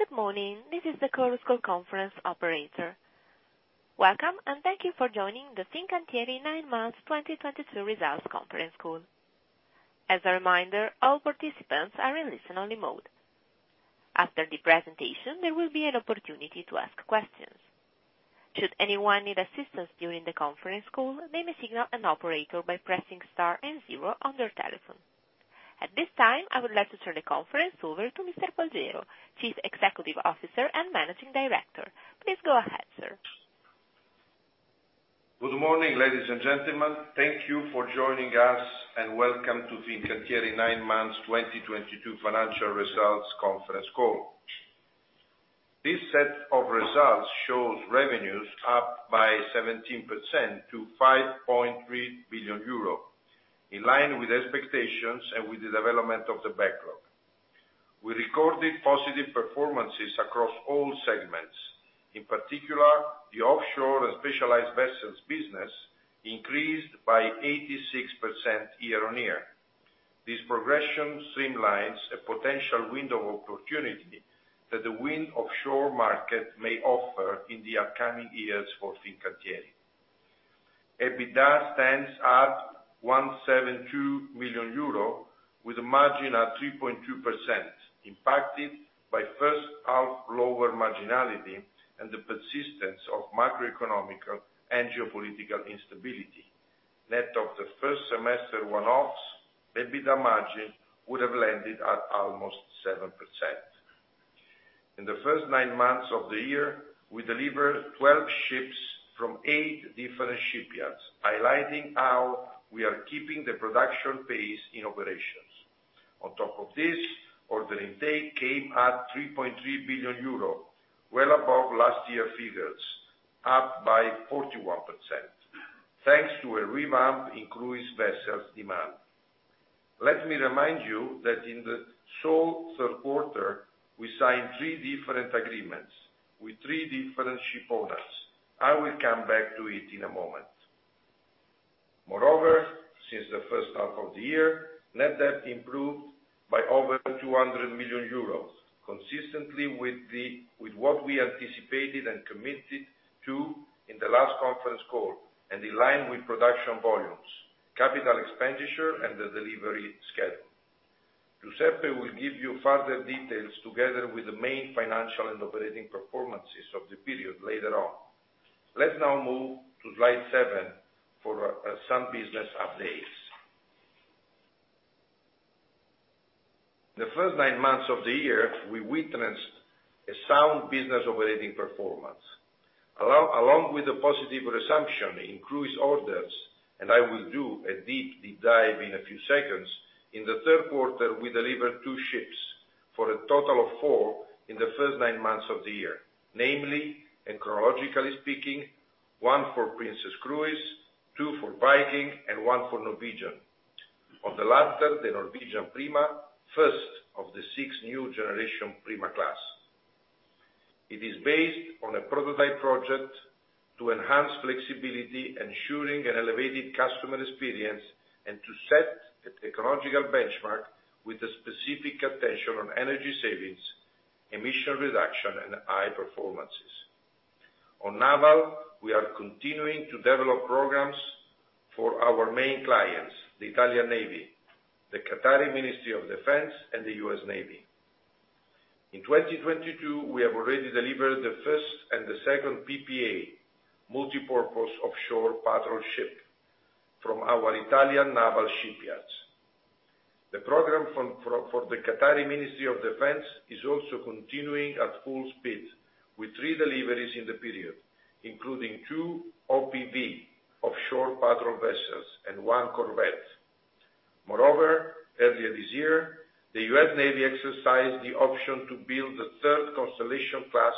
Good morning. This is the Fincantieri conference operator. Welcome, and thank you for joining the Fincantieri nine months 2022 results conference call. As a reminder, all participants are in listen-only mode. After the presentation, there will be an opportunity to ask questions. Should anyone need assistance during the conference call, they may signal an operator by pressing star and zero on their telephone. At this time, I would like to turn the conference over to Mr. Folgiero, Chief Executive Officer and Managing Director. Please go ahead, sir. Good morning, ladies and gentlemen. Thank you for joining us, and welcome to Fincantieri nine months 2022 financial results conference call. This set of results shows revenues up by 17% to 5.3 billion euro, in line with expectations and with the development of the backlog. We recorded positive performances across all segments, in particular, the offshore and specialized vessels business increased by 86% year-on-year. This progression streamlines a potential window of opportunity that the wind offshore market may offer in the upcoming years for Fincantieri. EBITDA stands at 172 million euro with a margin of 3.2%, impacted by first half lower marginality and the persistence of macroeconomic and geopolitical instability. Net of the first semester one-offs, the EBITDA margin would have landed at almost 7%. In the first nine months of the year, we delivered 12 ships from eight different shipyards, highlighting how we are keeping the production pace in operations. Order intake came at 3.3 billion euro, well above last year figures, up by 41%, thanks to a revamp in cruise vessels demand. Let me remind you that in the sole third quarter, we signed three different agreements with three different ship owners. I will come back to it in a moment. Moreover, since the first half of the year, net debt improved by over 200 million euros, consistently with what we anticipated and committed to in the last conference call, and in line with production volumes, capital expenditure, and the delivery schedule. Giuseppe will give you further details together with the main financial and operating performances of the period later on. Let's now move to slide seven for some business updates. The first nine months of the year, we witnessed a sound business operating performance. Along with the positive resumption in cruise orders, I will do a deep dive in a few seconds, in the third quarter, we delivered two ships for a total of four in the first nine months of the year. Namely, and chronologically speaking, one for Princess Cruises, two for Viking, and one for Norwegian. On the latter, the Norwegian Prima, first of the six new generation Prima class. It is based on a prototype project to enhance flexibility, ensuring an elevated customer experience, and to set a technological benchmark with a specific attention on energy savings, emission reduction, and high performances. On naval, we are continuing to develop programs for our main clients: the Italian Navy, the Qatari Ministry of Defense, and the U.S. Navy. In 2022, we have already delivered the first and the second PPA multi-purpose offshore patrol ship from our Italian naval shipyards. The program for the Qatari Ministry of Defense is also continuing at full speed with three deliveries in the period, including two OPV, offshore patrol vessels, and one corvette. Earlier this year, the U.S. Navy exercised the option to build the third Constellation-class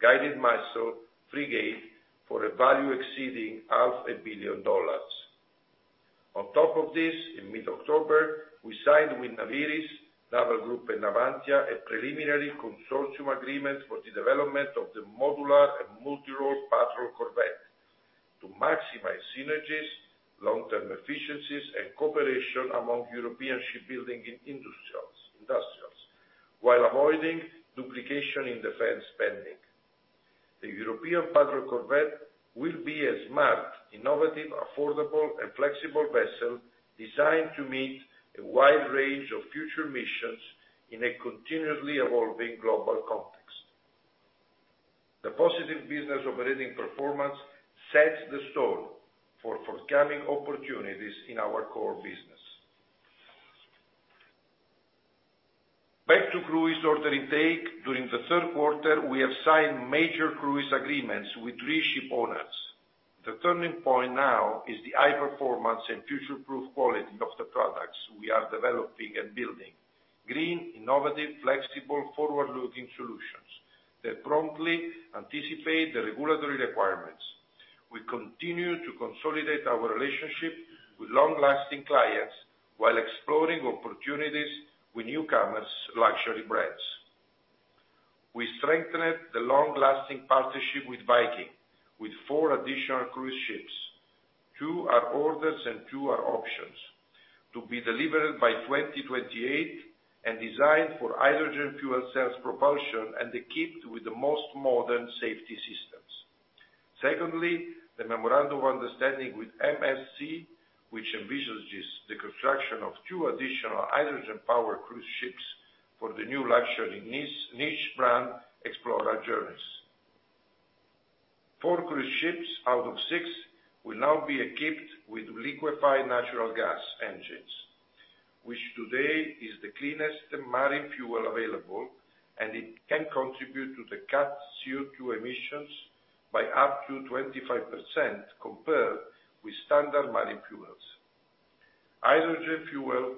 guided missile frigate for a value exceeding half a billion dollars. In mid-October, we signed with Naviris, Naval Group, and Navantia a preliminary consortium agreement for the development of the modular and multi-role patrol corvette to maximize synergies, long-term efficiencies, and cooperation among European shipbuilding industrials, while avoiding duplication in defense spending. The European patrol corvette will be a smart, innovative, affordable, and flexible vessel designed to meet a wide range of future missions in a continuously evolving global context. The positive business operating performance sets the stone for forthcoming opportunities in our core business. Back to cruise order intake. During the third quarter, we have signed major cruise agreements with three ship owners. The turning point now is the high performance and future-proof quality of the products we are developing and building. Green, innovative, flexible, forward-looking solutions that promptly anticipate the regulatory requirements. We continue to consolidate our relationship with long-lasting clients while exploring opportunities with newcomers luxury brands. We strengthened the long-lasting partnership with Viking with four additional cruise ships. Two are orders and two are options to be delivered by 2028 and designed for hydrogen fuel cells propulsion and equipped with the most modern safety systems. Secondly, the Memorandum of Understanding with MSC, which envisages the construction of two additional hydrogen-powered cruise ships for the new luxury niche brand, Explora Journeys. Four cruise ships out of six will now be equipped with liquefied natural gas engines, which today is the cleanest marine fuel available, and it can contribute to the cut CO2 emissions by up to 25% compared with standard marine fuels. Hydrogen fuel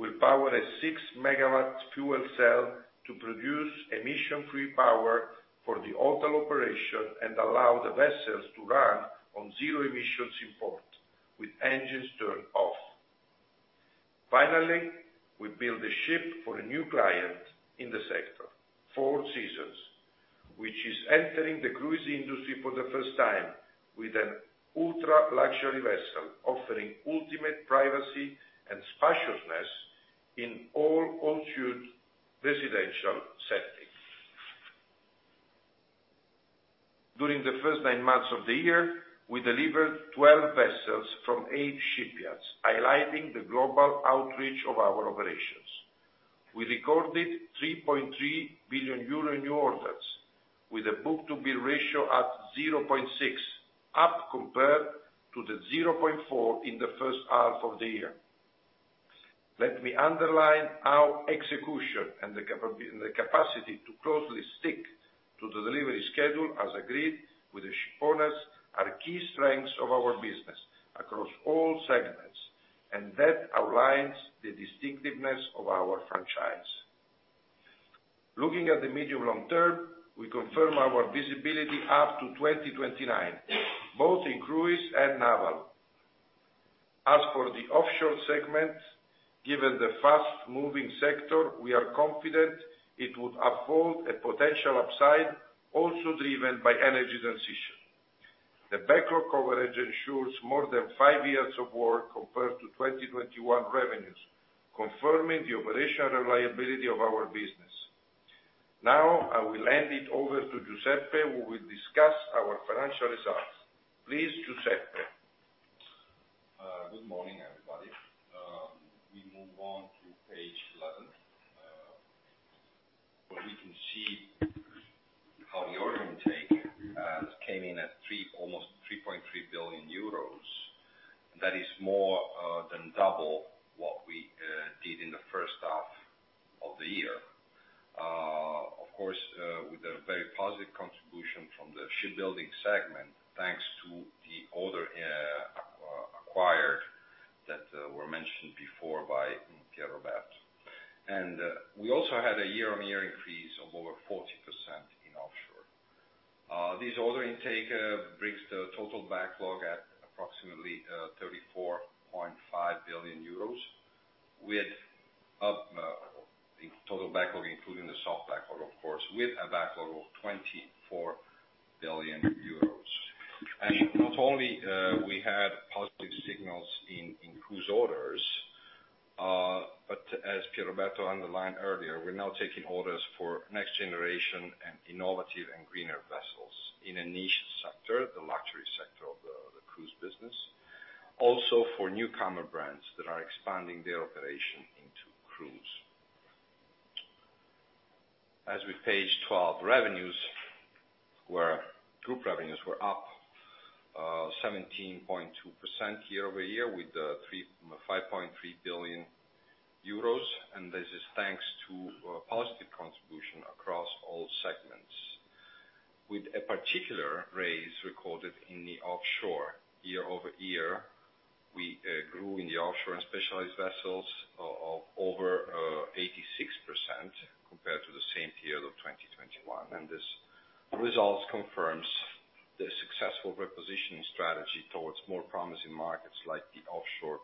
will power a six megawatt fuel cell to produce emission-free power for the hotel operation and allow the vessels to run on zero emissions in port, with engines turned off. Finally, we build the ship for a new client in the sector, Four Seasons, which is entering the cruise industry for the first time with an ultra-luxury vessel offering ultimate privacy and spaciousness in all-suite residential setting. During the first nine months of the year, we delivered 12 vessels from eight shipyards, highlighting the global outreach of our operations. We recorded 3.3 billion euro new orders, with a book-to-bill ratio at 0.6, up compared to the 0.4 in the first half of the year. Let me underline our execution and the capacity to closely stick to the delivery schedule as agreed with the ship owners are key strengths of our business across all segments, and that outlines the distinctiveness of our franchise. Looking at the medium long term, we confirm our visibility up to 2029, both in cruise and naval. As for the offshore segment, given the fast-moving sector, we are confident it would uphold a potential upside, also driven by energy transition. The backlog coverage ensures more than five years of work compared to 2021 revenues, confirming the operational reliability of our business. Now, I will hand it over to Giuseppe, who will discuss our financial results. Please, Giuseppe. Good morning, everybody. We move on to page 11, where we can see how the order intake came in at almost 3.3 billion euros. That is more than double what we did in the first half of the year. Of course, with a very positive contribution from the shipbuilding segment, thanks to the order acquired that were mentioned before by Pierroberto. We also had a year-on-year increase of over 40% in offshore. This order intake brings the total backlog at approximately 34.5 billion euros, the total backlog including the soft backlog, of course, with a backlog of 24 billion euros. Not only we had positive signals in cruise orders, but as Pierroberto underlined earlier, we're now taking orders for next generation and innovative and greener vessels in a niche sector, the luxury sector of the cruise business. Also for newcomer brands that are expanding their operation into cruise. As with page 12, group revenues were up 17.2% year-over-year with 5.3 billion euros. This is thanks to a positive contribution across all segments, with a particular raise recorded in the offshore year-over-year. We grew in the offshore and specialized vessels of over 86% compared to the same period of 2021. This result confirms the successful repositioning strategy towards more promising markets like the offshore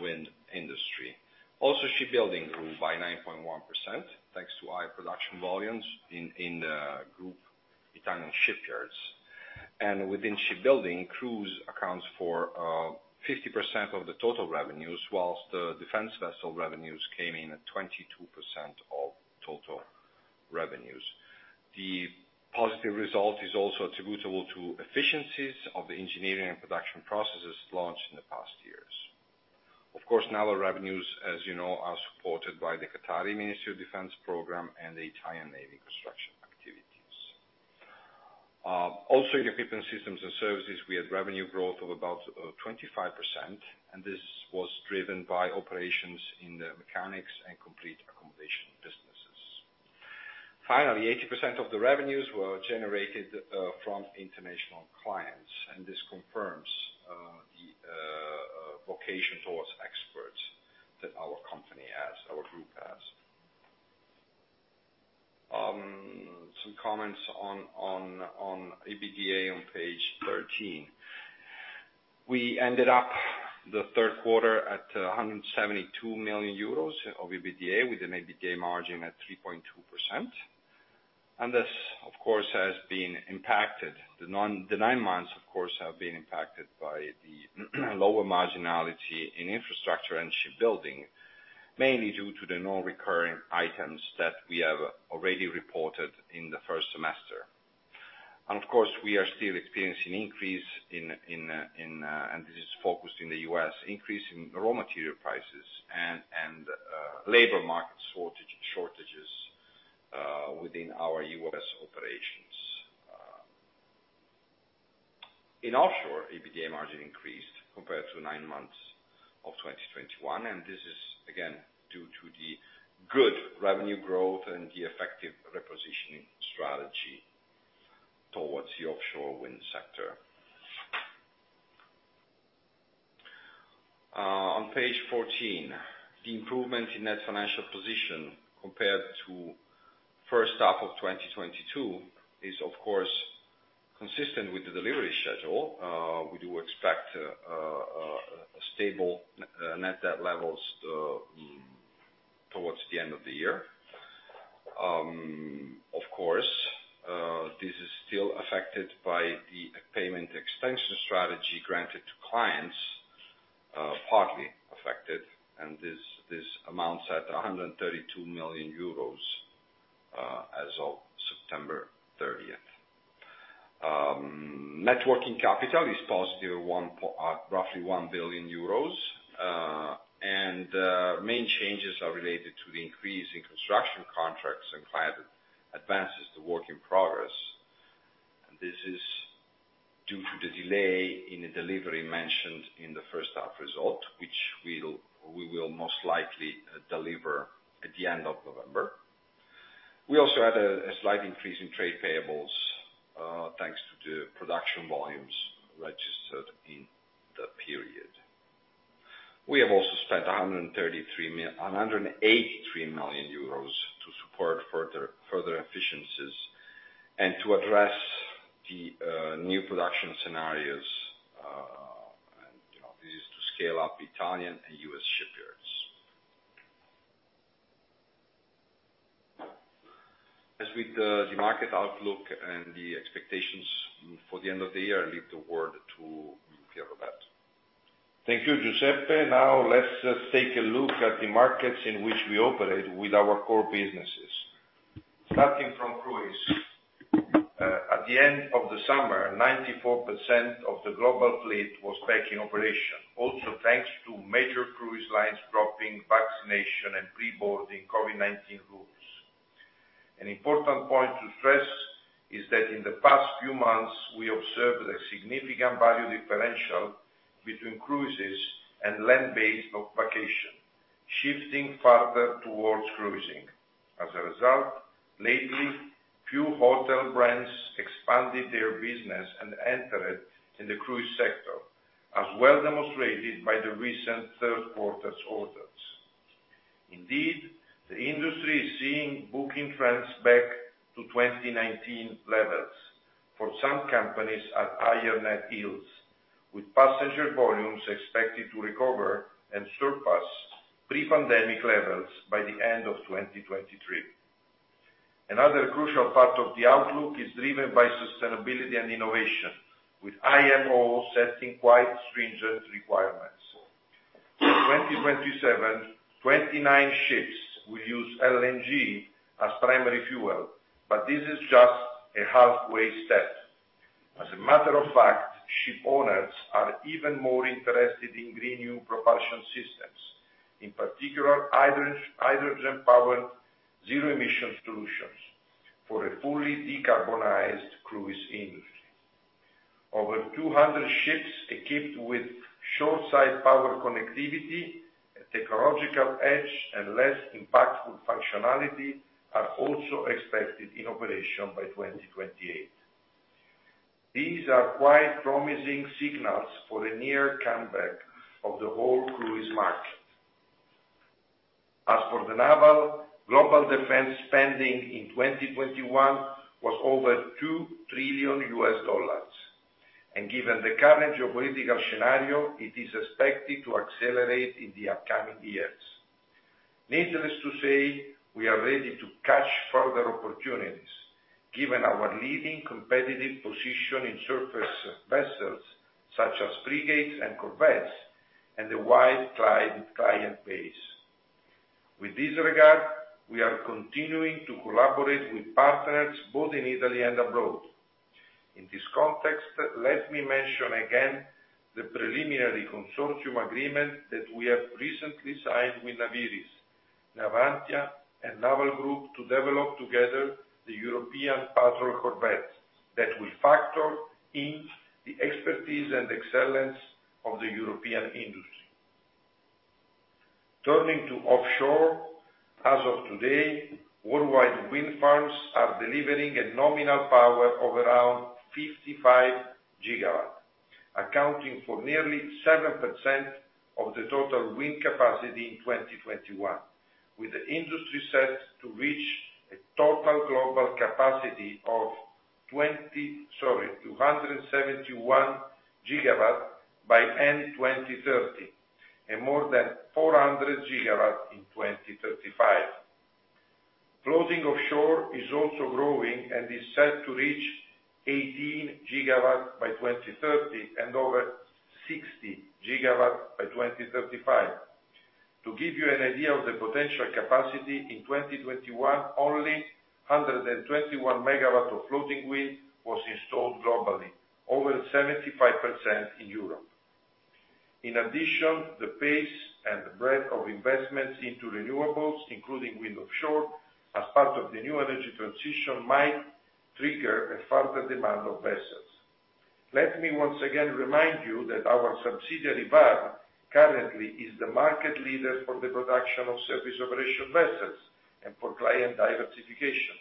wind industry. Also, shipbuilding grew by 9.1% thanks to high production volumes in the group Italian shipyards. Within shipbuilding, cruise accounts for 50% of the total revenues, whilst the defense vessel revenues came in at 22% of total revenues. The positive result is also attributable to efficiencies of the engineering and production processes launched in the past years. Of course, naval revenues, as you know, are supported by the Qatari Ministry of Defence program and the Italian Navy construction activities. Also, in equipment systems and services, we had revenue growth of about 25%. This was driven by operations in the mechanics and complete accommodation businesses. Finally, 80% of the revenues were generated from international clients. This confirms the vocation towards exports that our company has, our group has. Some comments on EBITDA on page 13. We ended up the third quarter at 172 million euros of EBITDA, with an EBITDA margin at 3.2%. This, of course, the nine months have been impacted by the lower marginality in infrastructure and shipbuilding, mainly due to the non-recurring items that we have already reported in the first semester. Of course, we are still experiencing increase. This is focused in the U.S., increase in raw material prices and labor market shortages within our U.S. operations. In offshore, EBITDA margin increased compared to nine months of 2021. This is again due to the good revenue growth and the effective repositioning strategy towards the offshore wind sector. On page 14, the improvement in net financial position compared to first half of 2022 is, of course, consistent with the delivery schedule. We do expect a stable net debt levels towards the end of the year. Of course, this is still affected by the payment extension strategy granted to clients, partly affected. This amounts at 132 million euros as of September 30th. Net working capital is positive at roughly 1 billion euros. Main changes are related to the increase in construction contracts and client advances the work in progress. This is due to the delay in the delivery mentioned in the first half result, which we will most likely deliver at the end of November. We also had a slight increase in trade payables, thanks to the production volumes registered in the period. We have also spent 183 million euros to support further efficiencies and to address the new production scenarios, and this is to scale up Italian and U.S. shipyards. As with the market outlook and the expectations for the end of the year, I leave the word to Pierroberto. Thank you, Giuseppe. Let's just take a look at the markets in which we operate with our core businesses. Starting from cruise. At the end of the summer, 94% of the global fleet was back in operation, also thanks to major cruise lines dropping vaccination and pre-boarding COVID-19 rules. An important point to stress is that in the past few months, we observed a significant value differential between cruises and land-based vacation, shifting further towards cruising. As a result, lately, few hotel brands expanded their business and entered in the cruise sector, as well demonstrated by the recent third quarter's orders. Indeed, the industry is seeing booking trends back to 2019 levels, for some companies at higher net yields, with passenger volumes expected to recover and surpass pre-pandemic levels by the end of 2023. Another crucial part of the outlook is driven by sustainability and innovation, with IMO setting quite stringent requirements. In 2027, 29 ships will use LNG as primary fuel, but this is just a halfway step. As a matter of fact, ship owners are even more interested in green new propulsion systems, in particular, hydrogen-powered zero-emission solutions for a fully decarbonized cruise industry. Over 200 ships equipped with shore side power connectivity, a technological edge, and less impactful functionality are also expected in operation by 2028. These are quite promising signals for a near comeback of the whole cruise market. As for the naval, global defense spending in 2021 was over $2 trillion, given the current geopolitical scenario, it is expected to accelerate in the upcoming years. Needless to say, we are ready to catch further opportunities given our leading competitive position in surface vessels such as frigates and corvettes, and the wide client base. With this regard, we are continuing to collaborate with partners both in Italy and abroad. In this context, let me mention again the preliminary consortium agreement that we have recently signed with Naviris, Navantia, and Naval Group to develop together the European Patrol Corvette that will factor in the expertise and excellence of the European industry. Turning to offshore, as of today, worldwide wind farms are delivering a nominal power of around 55 gigawatts, accounting for nearly 7% of the total wind capacity in 2021. The industry set to reach a total global capacity of 271 gigawatts by end 2030, and more than 400 gigawatts in 2035. Floating offshore is also growing and is set to reach 18 gigawatts by 2030 and over 60 gigawatts by 2035. To give you an idea of the potential capacity, in 2021, only 121 megawatts of floating wind was installed globally, over 75% in Europe. In addition, the pace and breadth of investments into renewables, including wind offshore, as part of the new energy transition might trigger a further demand of vessels. Let me once again remind you that our subsidiary, VARD, currently is the market leader for the production of service operation vessels and for client diversification.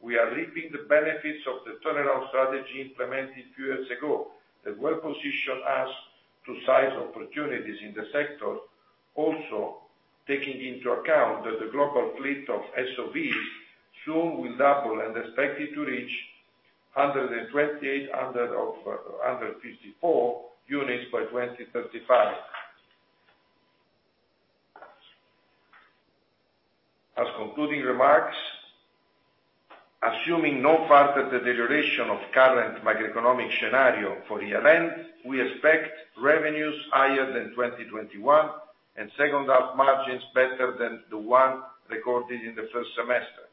We are reaping the benefits of the turnaround strategy implemented a few years ago, that well-position us to size opportunities in the sector. Taking into account that the global fleet of SOVs soon will double and expected to reach 128 out of 154 units by 2035. As concluding remarks, assuming no further deterioration of current macroeconomic scenario for the event, we expect revenues higher than 2021 and second half margins better than the one recorded in the first semester.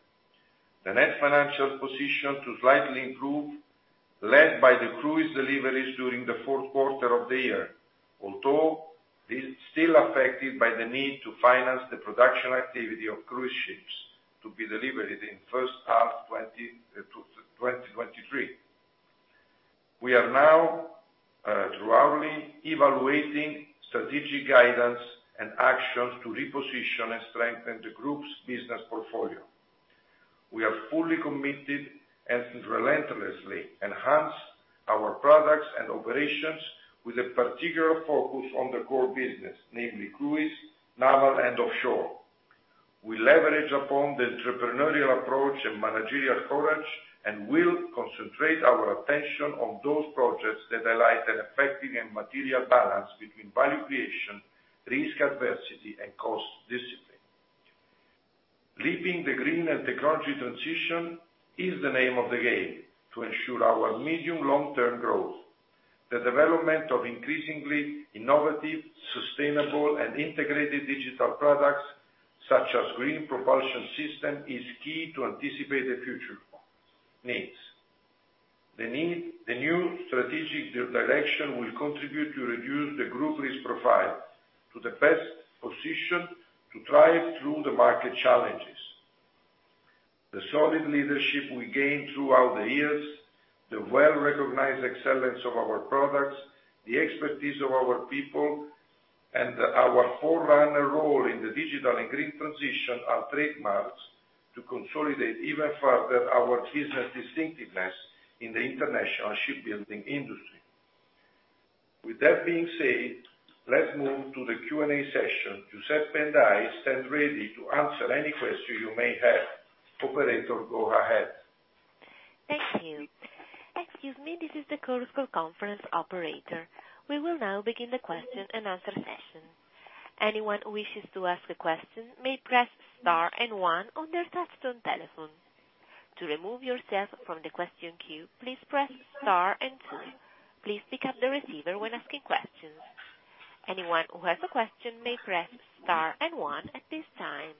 The net financial position to slightly improve, led by the cruise deliveries during the fourth quarter of the year. This is still affected by the need to finance the production activity of cruise ships to be delivered in first half 2023. We are now thoroughly evaluating strategic guidance and actions to reposition and strengthen the group's business portfolio. We are fully committed and relentlessly enhance our products and operations with a particular focus on the core business, namely cruise, naval, and offshore. We leverage upon the entrepreneurial approach and managerial courage, will concentrate our attention on those projects that highlight an effective and material balance between value creation, risk adversity, and cost discipline. Reaping the green and technology transition is the name of the game to ensure our medium long-term growth. The development of increasingly innovative, sustainable, and integrated digital products such as green propulsion system is key to anticipate the future needs. The new strategic direction will contribute to reduce the group risk profile to the best position to thrive through the market challenges. The solid leadership we gained throughout the years, the well-recognized excellence of our products, the expertise of our people, and our forerunner role in the digital and green transition are trademarks to consolidate even further our business distinctiveness in the international shipbuilding industry. With that being said, let's move to the Q&A session. Giuseppe and I stand ready to answer any question you may have. Operator, go ahead. Thank you. Excuse me, this is the Chorus Call conference operator. We will now begin the question and answer session. Anyone who wishes to ask a question may press Star and one on their touch-tone telephone. To remove yourself from the question queue, please press Star and two. Please pick up the receiver when asking questions. Anyone who has a question may press Star and one at this time.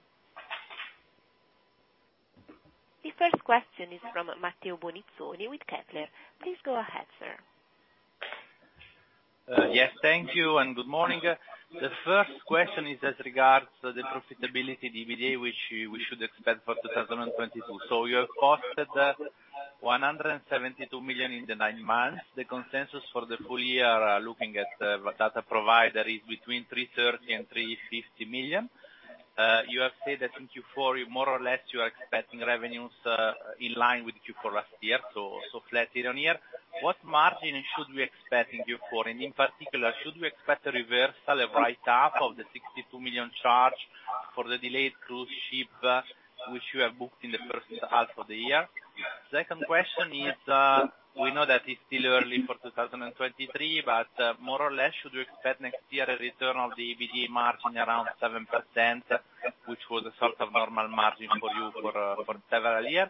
The first question is from Matteo Bonizzoni with Kepler. Please go ahead, sir. Yes. Thank you and good morning. The first question is as regards the profitability EBITDA, which we should expect for 2022. You have costed 172 million in the nine months. The consensus for the full year, looking at the data provider, is between 330 million and 350 million. You have said that in Q4, more or less, you are expecting revenues in line with Q4 last year, so flat year-on-year. What margin should we expect in Q4? In particular, should we expect a reversal, a write-off of the 62 million charge for the delayed cruise ship, which you have booked in the first half of the year? Second question is, we know that it is still early for 2023, but more or less should we expect next year a return of the EBITDA margin around 7%, which was a sort of normal margin for you for several years?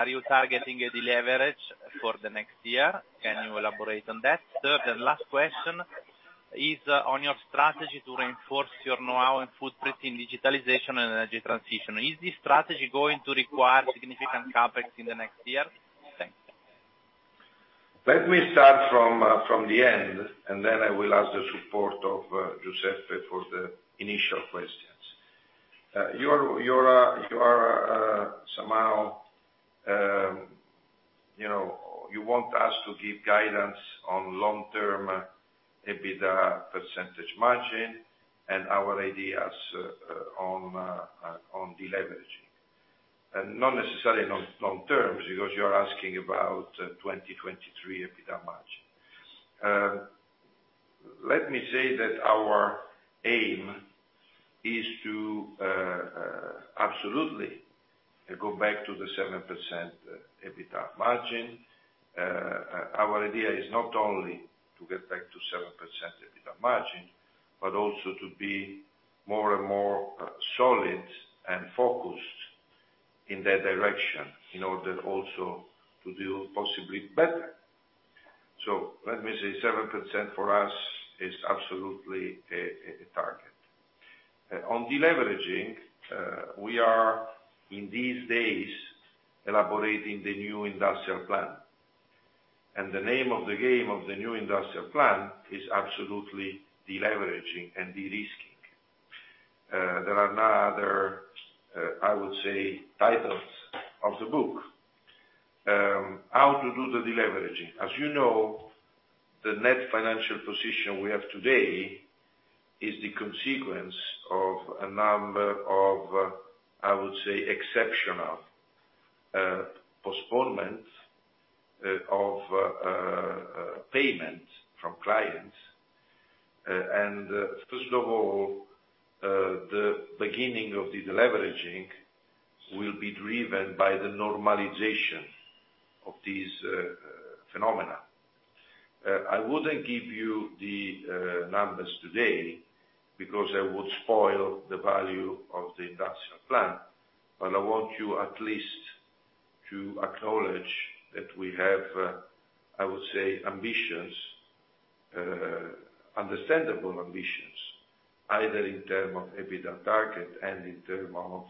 Are you targeting a deleverage for the next year? Can you elaborate on that? Third and last question is on your strategy to reinforce your know-how and footprint in digitalization and energy transition. Is this strategy going to require significant CapEx in the next year? Thanks. Let me start from the end, then I will ask the support of Giuseppe for the initial questions. You want us to give guidance on long-term EBITDA percentage margin and our ideas on deleveraging. Not necessarily long-term, because you are asking about 2023 EBITDA margin. Let me say that our aim is to absolutely go back to the 7% EBITDA margin. Our idea is not only to get back to 7% EBITDA margin, but also to be more and more solid and focused in that direction in order also to do possibly better. Let me say 7% for us is absolutely a target. On deleveraging, we are, in these days, elaborating the new industrial plan. The name of the game of the new industrial plan is absolutely deleveraging and de-risking. There are no other, I would say, titles of the book. How to do the deleveraging? As you know, the net financial position we have today is the consequence of a number of, I would say, exceptional postponements of payments from clients. First of all, the beginning of the deleveraging will be driven by the normalization of these phenomena. I would not give you the numbers today, because I would spoil the value of the industrial plan, but I want you at least to acknowledge that we have, I would say, ambitions, understandable ambitions, either in terms of EBITDA target and in terms of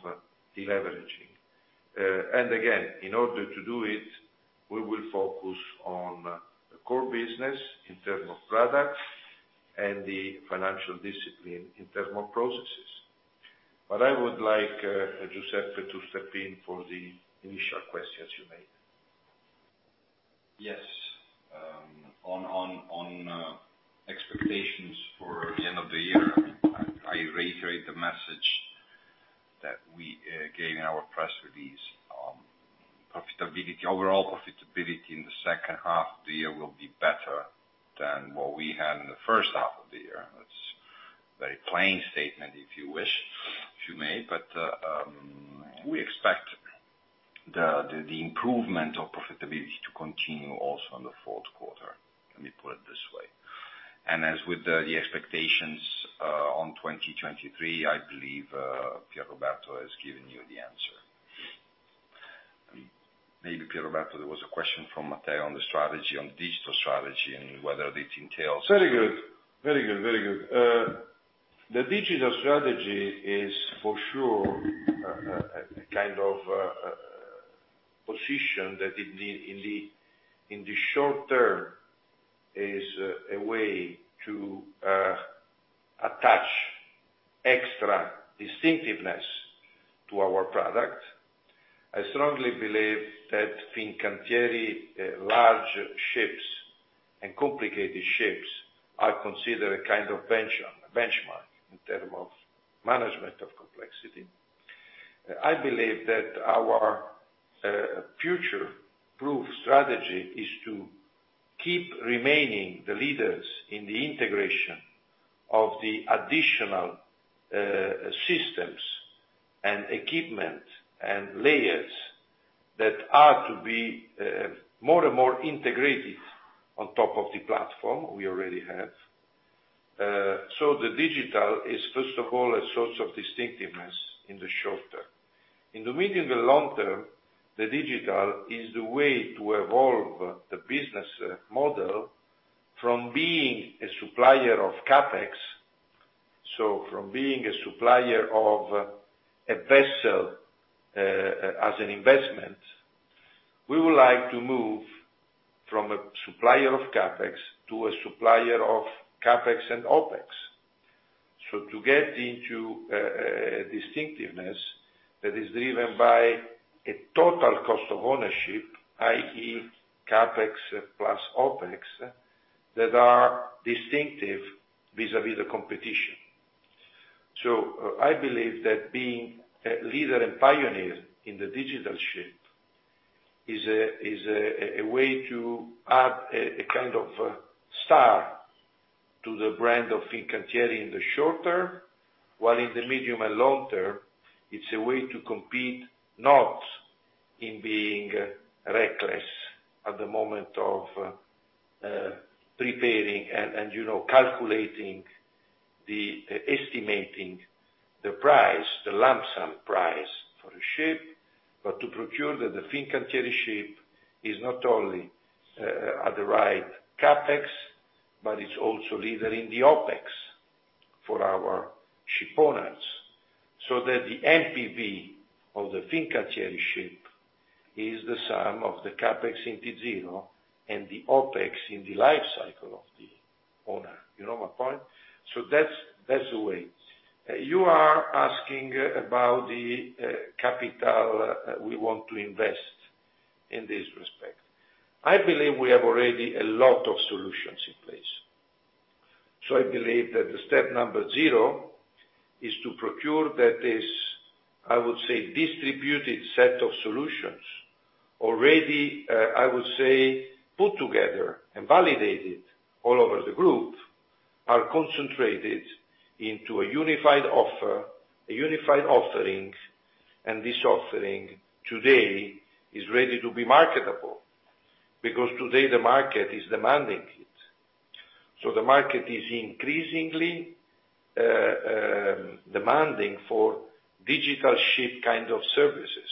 deleveraging. Again, in order to do it, we will focus on core business in terms of products and the financial discipline in terms of processes. I would like Giuseppe to step in for the initial questions you made. Yes. On expectations for the end of the year, I reiterate the message that we gave in our press release. Overall profitability in the second half of the year will be better than what we had in the first half of the year. That's very plain statement, if you wish, if you may. We expect the improvement of profitability to continue also in the fourth quarter. Let me put it this way. As with the expectations on 2023, I believe Pierroberto has given you the answer. Maybe, Pierroberto, there was a question from Matteo on the strategy, on digital strategy, and whether it entails- Very good. The digital strategy is for sure a kind of position that in the short term is a way to attach extra distinctiveness to our product. I strongly believe that Fincantieri large ships and complicated ships are considered a kind of benchmark in terms of management of complexity. I believe that our future-proof strategy is to keep remaining the leaders in the integration of the additional systems and equipment and layers that are to be more and more integrated on top of the platform we already have. The digital is, first of all, a source of distinctiveness in the short term. In the medium to long term, the digital is the way to evolve the business model from being a supplier of CapEx. From being a supplier of a vessel as an investment, we would like to move from a supplier of CapEx to a supplier of CapEx and OpEx. To get into a distinctiveness that is driven by a total cost of ownership, i.e., CapEx plus OpEx, that are distinctive vis-a-vis the competition. I believe that being a leader and pioneer in the digital ship is a way to add a kind of star to the brand of Fincantieri in the short term, while in the medium and long term, it's a way to compete, not in being reckless at the moment of preparing and calculating estimating the price, the lump sum price for a ship, but to procure that the Fincantieri ship is not only at the right CapEx, but it's also leader in the OpEx for our ship owners. That the NPV of the Fincantieri ship is the sum of the CapEx in T0 and the OpEx in the life cycle of the owner. You know my point? That's the way. You are asking about the capital we want to invest in this respect. I believe we have already a lot of solutions in place. I believe that the step number 0 is to procure that is, I would say, distributed set of solutions already, I would say, put together and validated all over the group, are concentrated into a unified offer, a unified offering, and this offering today is ready to be marketable, because today the market is demanding it. The market is increasingly demanding for digital ship kind of services.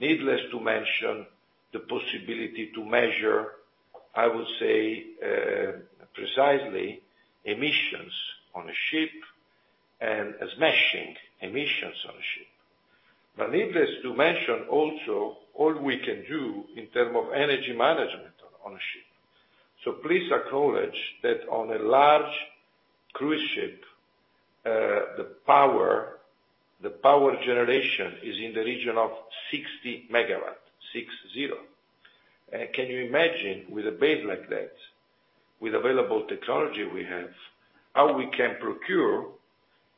Needless to mention, the possibility to measure, I would say, precisely, emissions on a ship, and managing emissions on a ship. Needless to mention also all we can do in terms of energy management on a ship. Please acknowledge that on a large cruise ship, the power generation is in the region of 60 MW, six zero. Can you imagine with a base like that, with available technology we have, how we can procure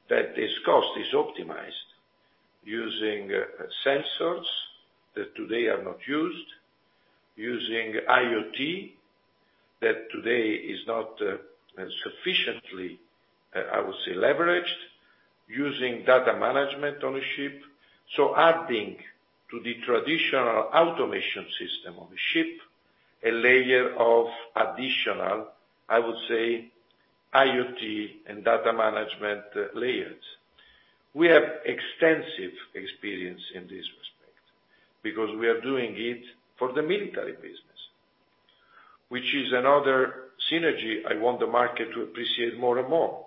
that this cost is optimized using sensors that today are not used, using IoT that today is not sufficiently, I would say, leveraged, using data management on a ship. Adding to the traditional automation system on the ship, a layer of additional, I would say, IoT and data management layers. We have extensive experience in this respect, because we are doing it for the military business, which is another synergy I want the market to appreciate more and more.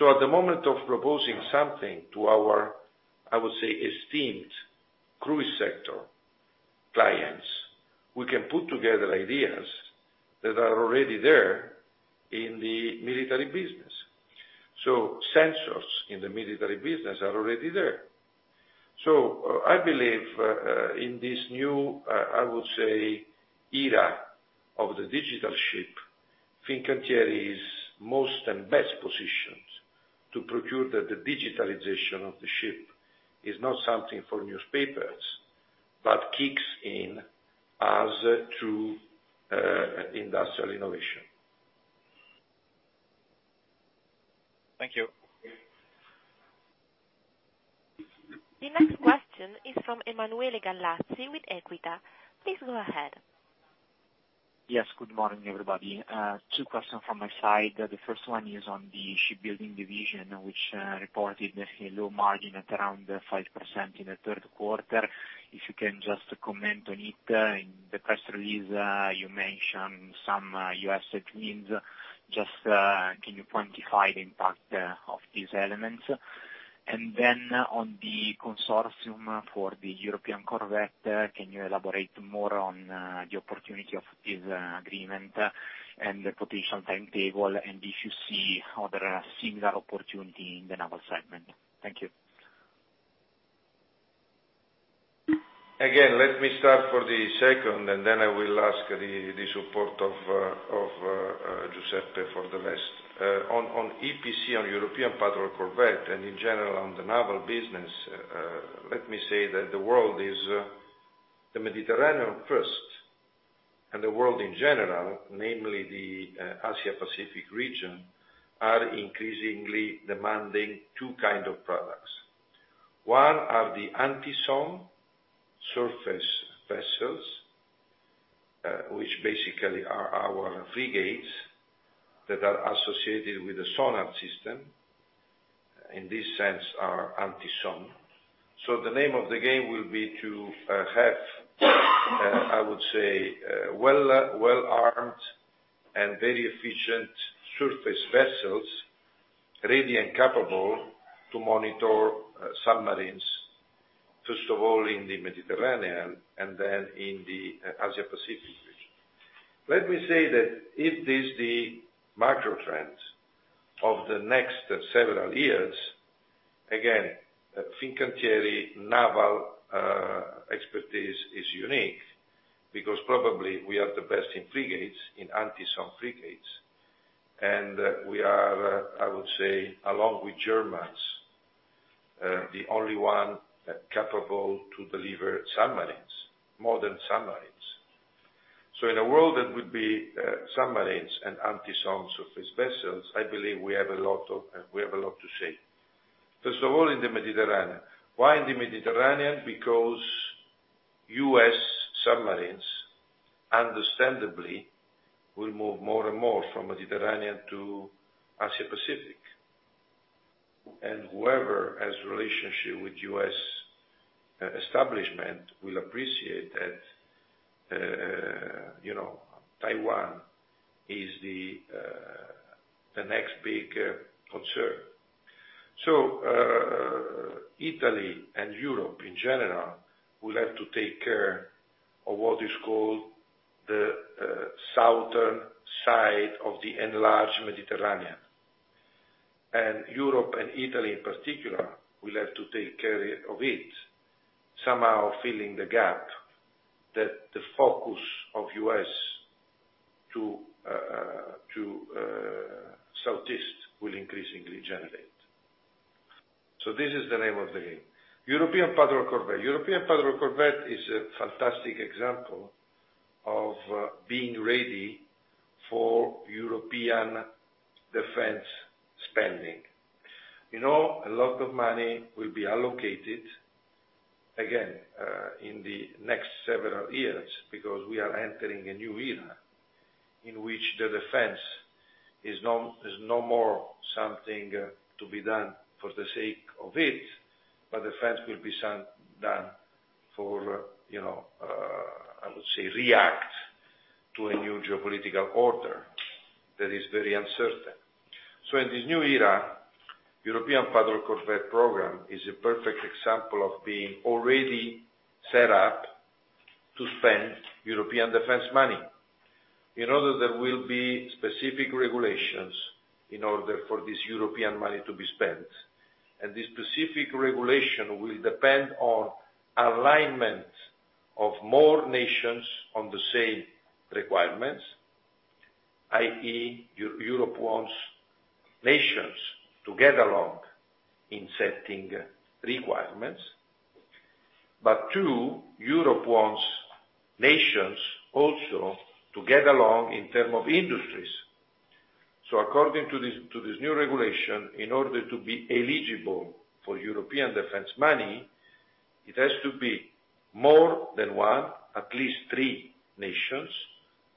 At the moment of proposing something to our, I would say, esteemed cruise sector clients, we can put together ideas that are already there in the military business. Sensors in the military business are already there. I believe, in this new, I would say, era of the digital ship, Fincantieri is most and best positioned to procure that the digitalization of the ship is not something for newspapers, but kicks in as true industrial innovation. Thank you. The next question is from Emanuele Gallazzi with Equita. Please go ahead. Yes. Good morning, everybody. Two questions from my side. The first one is on the shipbuilding division, which reported a low margin at around 5% in the third quarter. If you can just comment on it. In the press release, you mentioned some U.S. headwinds. Can you quantify the impact of these elements? On the consortium for the European Patrol Corvette, can you elaborate more on the opportunity of this agreement and the potential timetable, if you see other similar opportunity in the Naval segment? Thank you. Let me start for the second, then I will ask the support of Giuseppe for the rest. On EPC, on European Patrol Corvette, in general on the Naval business, let me say that the world is, the Mediterranean first, the world in general, namely the Asia-Pacific region, are increasingly demanding two kind of products. One are the anti-submarine surface vessels, which basically are our frigates that are associated with a sonar system, in this sense, are anti-submarine. The name of the game will be to have well-armed and very efficient surface vessels, ready and capable to monitor submarines, first of all in the Mediterranean, then in the Asia-Pacific region. Let me say that if this the macro trends of the next several years, Fincantieri Naval expertise is unique because probably we are the best in frigates, in anti-submarine frigates. We are, along with Germans, the only one capable to deliver submarines, modern submarines. In a world that would be submarines and anti-submarine surface vessels, I believe we have a lot to say. First of all, in the Mediterranean. Why in the Mediterranean? Because U.S. submarines, understandably, will move more and more from Mediterranean to Asia-Pacific. Whoever has relationship with U.S. establishment will appreciate that Taiwan is the next big concern. Italy and Europe in general, will have to take care of what is called the southern side of the enlarged Mediterranean. Europe and Italy in particular, will have to take care of it, somehow filling the gap that the focus of U.S. to Southeast will increasingly generate This is the name of the game. European Patrol Corvette. European Patrol Corvette is a fantastic example of being ready for European defense spending. A lot of money will be allocated again in the next several years because we are entering a new era in which the defense is no more something to be done for the sake of it, but defense will be done for, react to a new geopolitical order that is very uncertain. In this new era, European Patrol Corvette program is a perfect example of being already set up to spend European defense money. In order there will be specific regulations in order for this European money to be spent, this specific regulation will depend on alignment of more nations on the same requirements. I.e., Europe wants nations to get along in setting requirements. Two, Europe wants nations also to get along in terms of industries. According to this new regulation, in order to be eligible for European defense money, it has to be more than one, at least three nations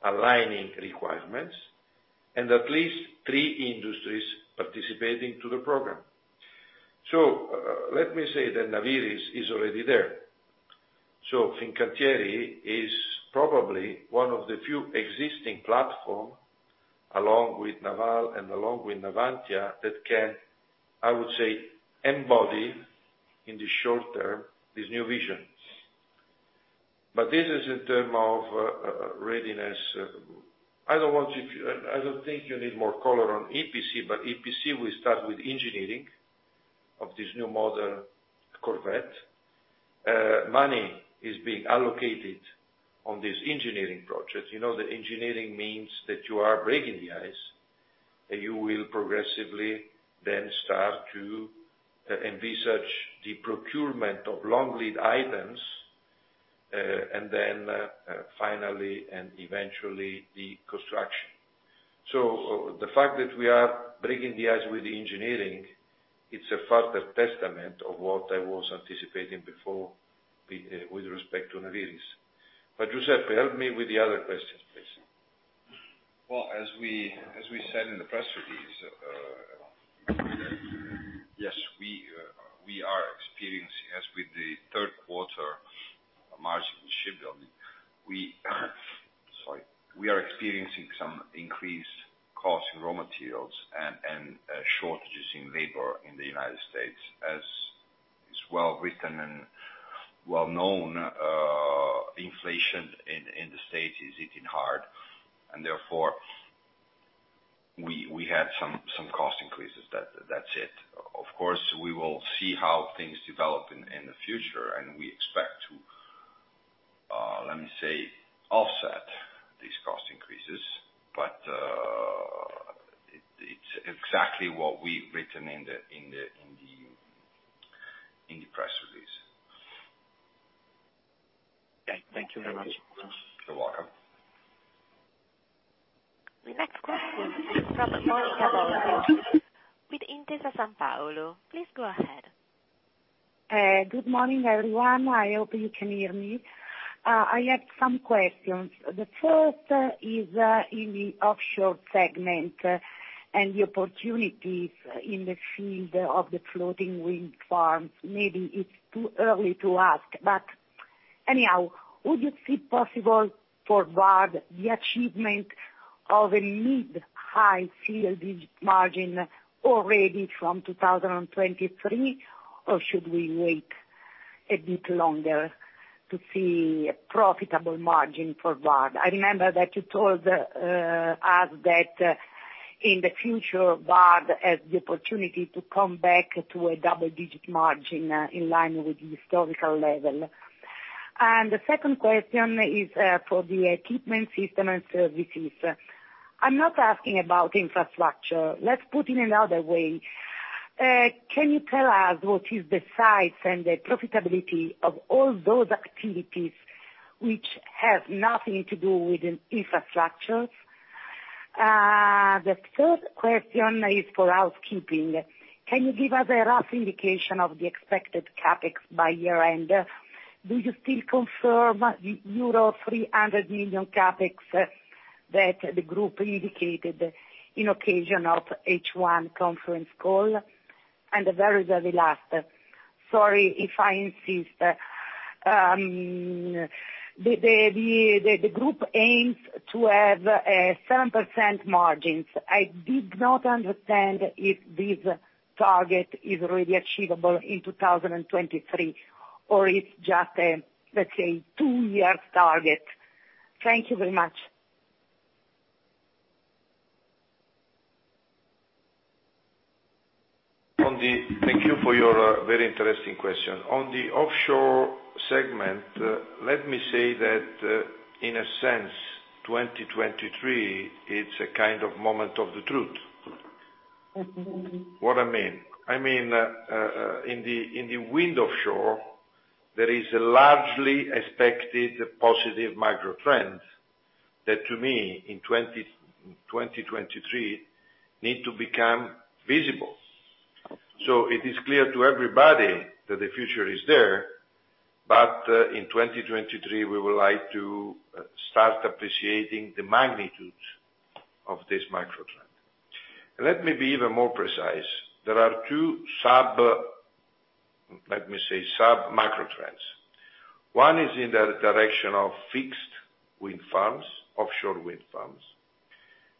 aligning requirements, and at least three industries participating to the program. Let me say that Naviris is already there. Fincantieri is probably one of the few existing platform, along with Naval and along with Navantia, that can, I would say, embody in the short term these new visions. But this is in term of readiness. I don't think you need more color on EPC, but EPC, we start with engineering of this new model corvette. Money is being allocated on this engineering project. You know that engineering means that you are breaking the ice, and you will progressively then start to envisage the procurement of long lead items, and then, finally and eventually, the construction. The fact that we are breaking the ice with the engineering, it's a further testament of what I was anticipating before with respect to Naviris. But Giuseppe, help me with the other questions, please. As we said in the press release, yes, we are experiencing, as with the third quarter margin in shipbuilding. We are experiencing some increased cost in raw materials and shortages in labor in the United States. As is well-written and well-known, inflation in the States is hitting hard, and therefore, we had some cost increases. That's it. Of course, we will see how things develop in the future, and we expect to, let me say, offset these cost increases. But it's exactly what we've written in the press release. Thank you very much. You're welcome. The next question is from Monica Borghetti with Intesa Sanpaolo. Please go ahead. Good morning, everyone. I hope you can hear me. I have some questions. The first is in the offshore segment and the opportunities in the field of the floating wind farms. Maybe it's too early to ask, but anyhow, would you see possible for VARD the achievement of a mid-high field margin already from 2023? Or should we wait a bit longer to see a profitable margin for VARD? I remember that you told us that in the future, VARD has the opportunity to come back to a double-digit margin in line with the historical level. The second question is for the equipment systems and services. I'm not asking about infrastructure. Let's put in another way. Can you tell us what is the size and the profitability of all those activities which have nothing to do with infrastructures? The third question is for housekeeping. Can you give us a rough indication of the expected CapEx by year-end? Do you still confirm euro 300 million CapEx that the group indicated in occasion of H1 conference call? Very, very last. Sorry if I insist. The group aims to have 7% margins. I did not understand if this target is really achievable in 2023 or it's just a, let's say, two-year target. Thank you very much. Thank you for your very interesting question. On the offshore segment, let me say that in a sense 2023, it's a kind of moment of the truth. What I mean, in the wind offshore, there is a largely expected positive macro trend that to me, in 2023, need to become visible. It is clear to everybody that the future is there, in 2023, we would like to start appreciating the magnitude of this macro trend. Let me be even more precise. There are two sub, let me say, sub-macro trends. One is in the direction of fixed wind farms, offshore wind farms,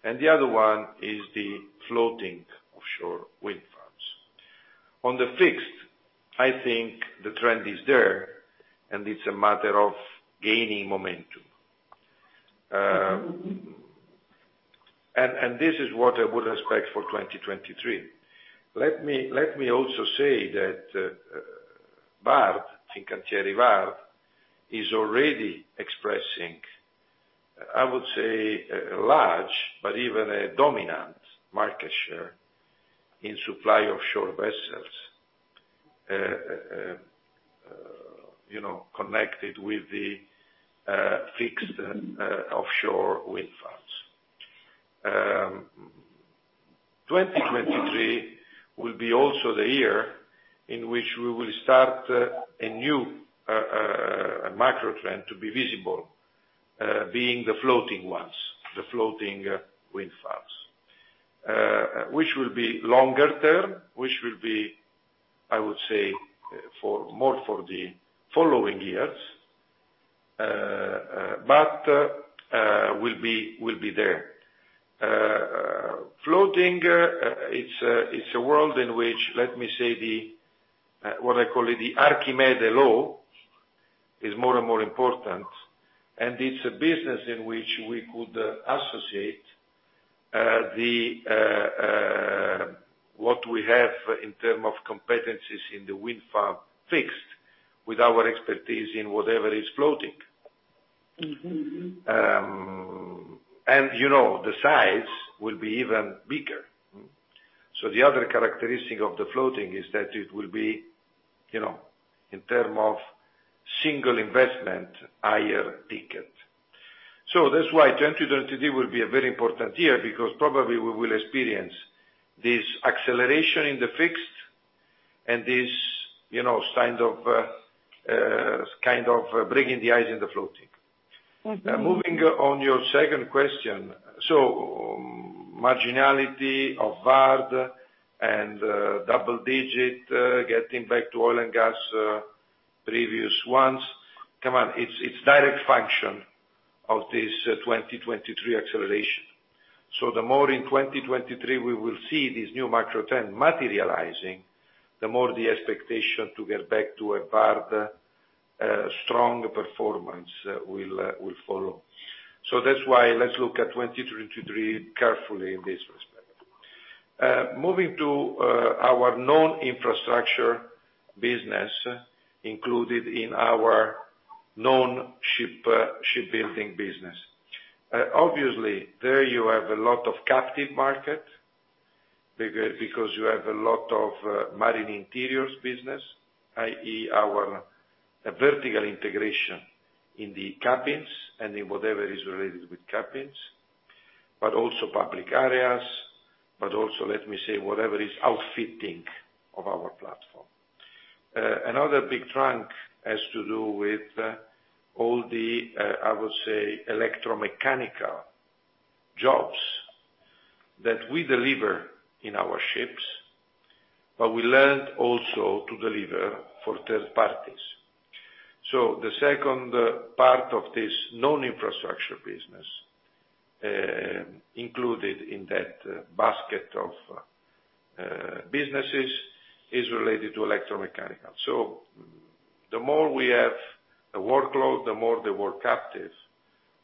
the other one is the floating offshore wind farms. On the fixed, I think the trend is there, it's a matter of gaining momentum. This is what I would expect for 2023. Let me also say that, VARD, Fincantieri VARD is already expressing, I would say, a large, even a dominant market share in supply of SOVs, connected with the fixed offshore wind farms. 2023 will be also the year in which we will start a new macro trend to be visible, being the floating ones, the floating wind farms. Which will be longer term, which will be, I would say, more for the following years. Will be there. Floating, it's a world in which, let me say, what I call the Archimedes' law is more and more important, and it's a business in which we could associate what we have in term of competencies in the wind farm fixed with our expertise in whatever is floating. The size will be even bigger. The other characteristic of the floating is that it will be, in term of single investment, higher ticket. That's why 2023 will be a very important year because probably we will experience this acceleration in the fixed and this kind of breaking the ice in the floating. Moving on your second question. Marginality of VARD and double-digit, getting back to oil and gas, previous ones, come on, it's direct function of this 2023 acceleration. The more in 2023 we will see this new macro trend materializing, the more the expectation to get back to a VARD strong performance will follow. That's why let's look at 2023 carefully in this respect. Moving to our non-infrastructure business included in our non-shipbuilding business. Obviously, there you have a lot of captive market because you have a lot of marine interiors business, i.e., our vertical integration in the cabins and in whatever is related with cabins, but also public areas, but also, let me say, whatever is outfitting of our platform. Another big trunk has to do with all the, I would say, electromechanical jobs that we deliver in our ships, but we learned also to deliver for third parties. The second part of this non-infrastructure business, included in that basket of businesses, is related to electromechanical. The more we have a workload, the more they work captive.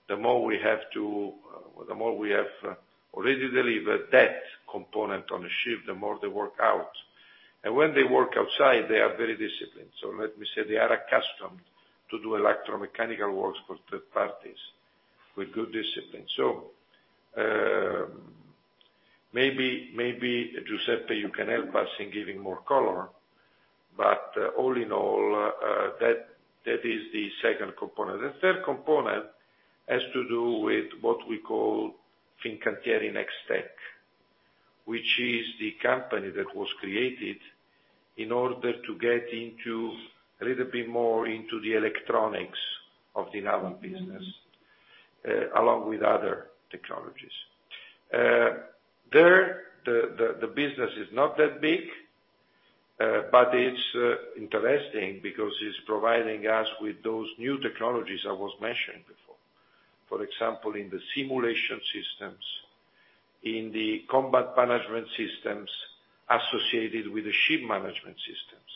The more we have already delivered that component on a ship, the more they work out, and when they work outside, they are very disciplined. Let me say, they are accustomed to do electromechanical works for third parties with good discipline. Maybe Giuseppe, you can help us in giving more color. All in all, that is the second component. The third component has to do with what we call Fincantieri NexTech, which is the company that was created in order to get a little bit more into the electronics of the naval business, along with other technologies. There, the business is not that big, but it's interesting because it's providing us with those new technologies I was mentioning before. For example, in the simulation systems, in the combat management systems associated with the ship management systems.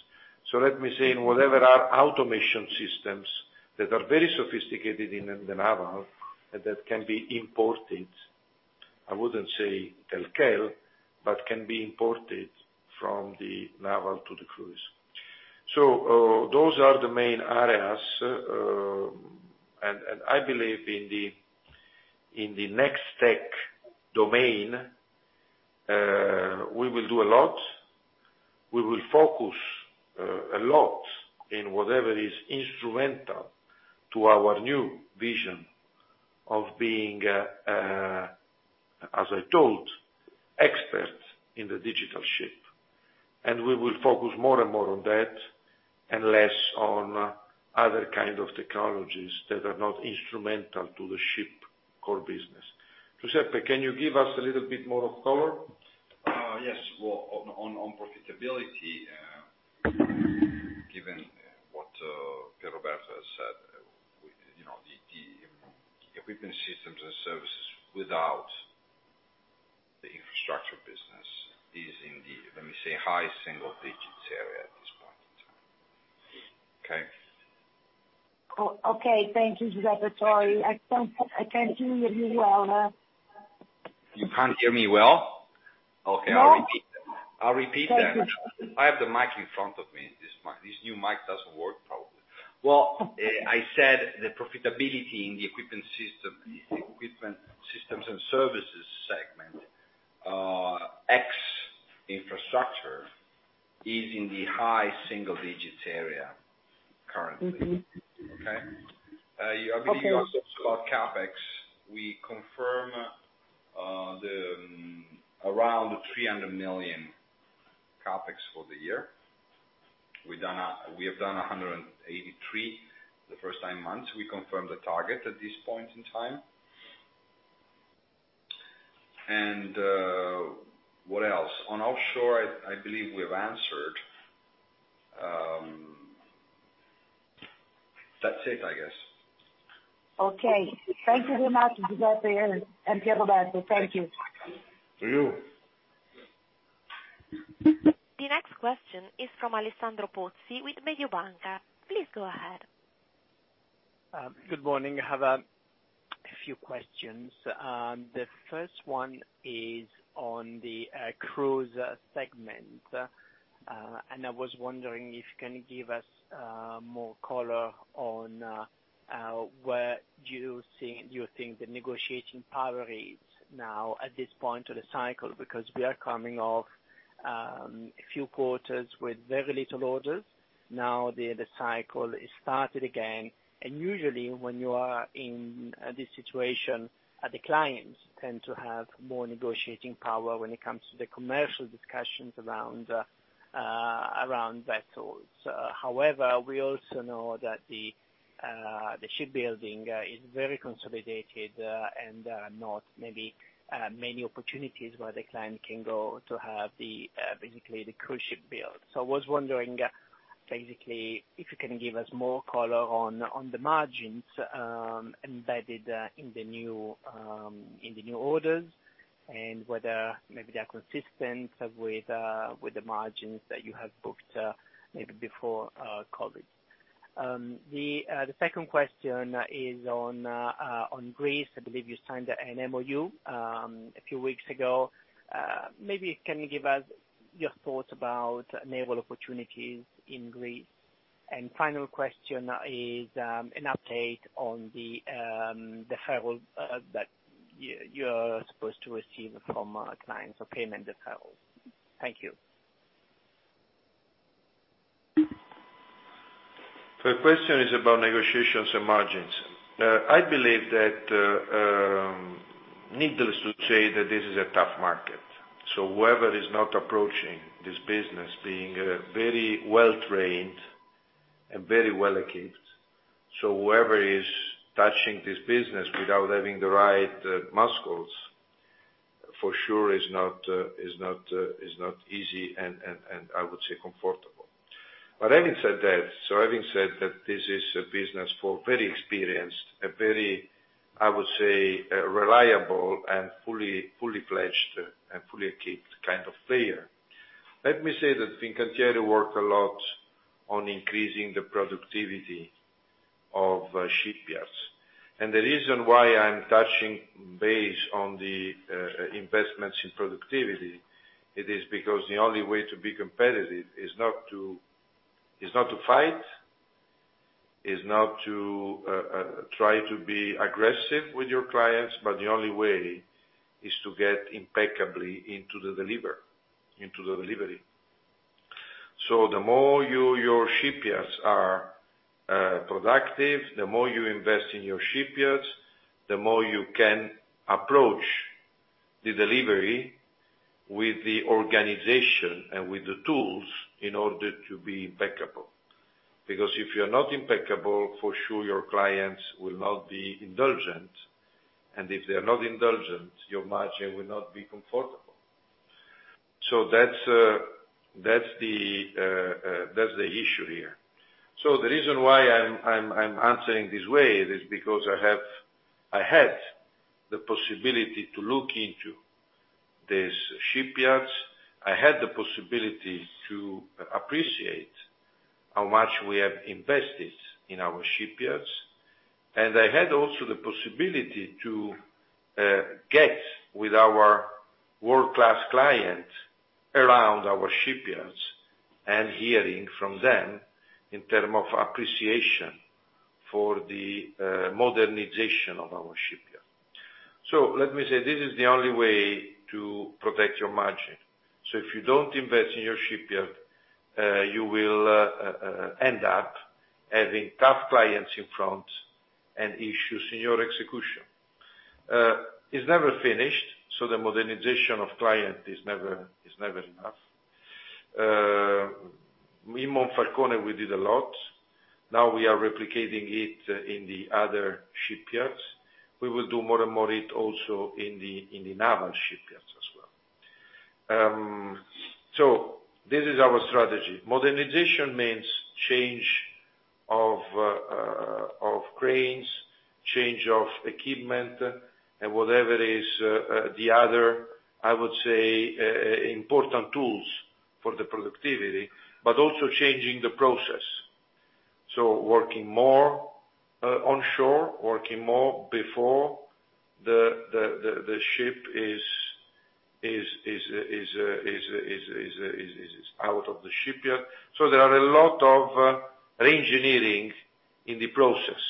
Let me say, in whatever are automation systems that are very sophisticated in the naval, that can be imported I wouldn't say tel quel, but can be imported from the naval to the cruise. Those are the main areas, and I believe in the NexTech domain, we will do a lot. We will focus a lot on whatever is instrumental to our new vision of being, as I told, expert in the digital ship. We will focus more and more on that and less on other kinds of technologies that are not instrumental to the ship core business. Giuseppe, can you give us a little bit more of color? Yes. Well, on profitability, given what Pierroberto said, the equipment systems and services without the infrastructure business is in the, let me say, high single digits area at this point in time. Okay. Okay. Thank you, Giuseppe. Sorry. I can't hear you well. You can't hear me well? Okay, I'll repeat. No. I'll repeat then. I have the mic in front of me. This new mic doesn't work probably. Well, I said, the profitability in the equipment systems and services segment, ex-infrastructure, is in the high single digits area currently. Okay? Okay. I believe you also asked about CapEx. We confirm around 300 million CapEx for the year. We have done 183 the first nine months. We confirm the target at this point in time. What else? On offshore, I believe we've answered. That's it, I guess. Okay. Thank you very much, Giuseppe and Pierroberto. Thank you. To you. The next question is from Alessandro Pozzi with Mediobanca. Please go ahead. Good morning. I have a few questions. The first one is on the cruise segment. I was wondering if you can give us more color on where you think the negotiating power is now at this point of the cycle, because we are coming off a few quarters with very little orders. The cycle is started again, and usually when you are in this situation, the clients tend to have more negotiating power when it comes to the commercial discussions around vessels. We also know that the shipbuilding is very consolidated, and there are not maybe many opportunities where the client can go to have basically the cruise ship built. I was wondering, basically, if you can give us more color on the margins embedded in the new orders and whether maybe they are consistent with the margins that you have booked maybe before COVID. The second question is on Greece. I believe you signed an MoU a few weeks ago. Maybe can you give us your thoughts about naval opportunities in Greece? Final question is an update on the deferral that you are supposed to receive from clients or payment deferrals. Thank you. The question is about negotiations and margins. I believe that, needless to say, that this is a tough market. Whoever is not approaching this business being very well trained and very well equipped, whoever is touching this business without having the right muscles, for sure is not easy and I would say comfortable. Having said that, this is a business for very experienced and very, I would say, reliable and fully fledged and fully equipped kind of player. Let me say that Fincantieri worked a lot on increasing the productivity of shipyards. The reason why I'm touching base on the investments in productivity, it is because the only way to be competitive is not to fight, is not to try to be aggressive with your clients, but the only way is to get impeccably into the delivery. The more your shipyards are productive, the more you invest in your shipyards, the more you can approach the delivery with the organization and with the tools in order to be impeccable. If you're not impeccable, for sure your clients will not be indulgent, and if they're not indulgent, your margin will not be comfortable. That's the issue here. The reason why I'm answering this way is because I had the possibility to look into these shipyards, I had the possibility to appreciate how much we have invested in our shipyards. I had also the possibility to get with our world-class client around our shipyards and hearing from them in term of appreciation for the modernization of our shipyard. Let me say, this is the only way to protect your margin. If you don't invest in your shipyard, you will end up having tough clients in front and issues in your execution. It's never finished. The modernization of client is never enough. In Monfalcone, we did a lot. Now we are replicating it in the other shipyards. We will do more and more it also in the naval shipyards as well. This is our strategy. Modernization means change of cranes, change of equipment and whatever is the other, I would say, important tools for the productivity, but also changing the process. Working more onshore, working more before the ship is out of the shipyard. There are a lot of re-engineering in the process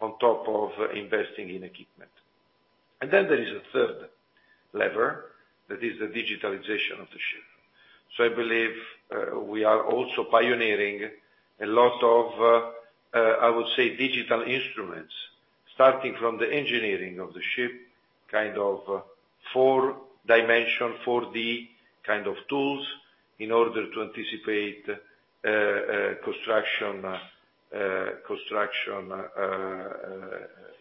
on top of investing in equipment. There is a third lever, that is the digitalization of the ship. I believe, we are also pioneering a lot of, I would say, digital instruments. Starting from the engineering of the ship, 4D kind of tools in order to anticipate construction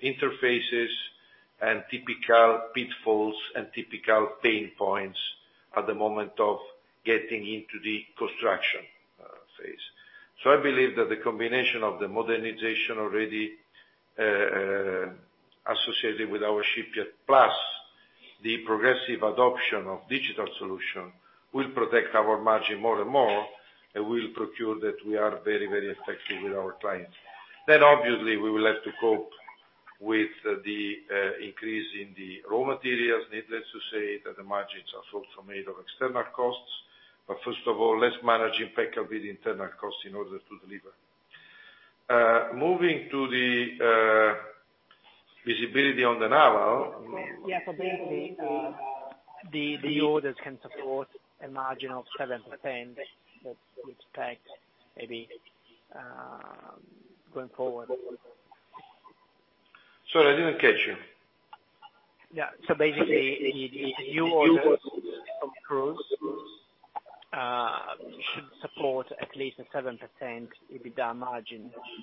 interfaces and typical pitfalls and typical pain points at the moment of getting into the construction phase. I believe that the combination of the modernization already associated with our shipyard, plus the progressive adoption of digital solution, will protect our margin more and more and will procure that we are very effective with our clients. Obviously, we will have to cope with the increase in the raw materials. Needless to say that the margins are also made of external costs. First of all, let's manage impeccably the internal cost in order to deliver. Moving to the visibility on the naval- Yeah. Basically, the orders can support a margin of 7% that we expect maybe, going forward. Sorry, I didn't catch you. Yeah. Basically, the new orders from cruise should support at least a 7% EBITDA margin. That's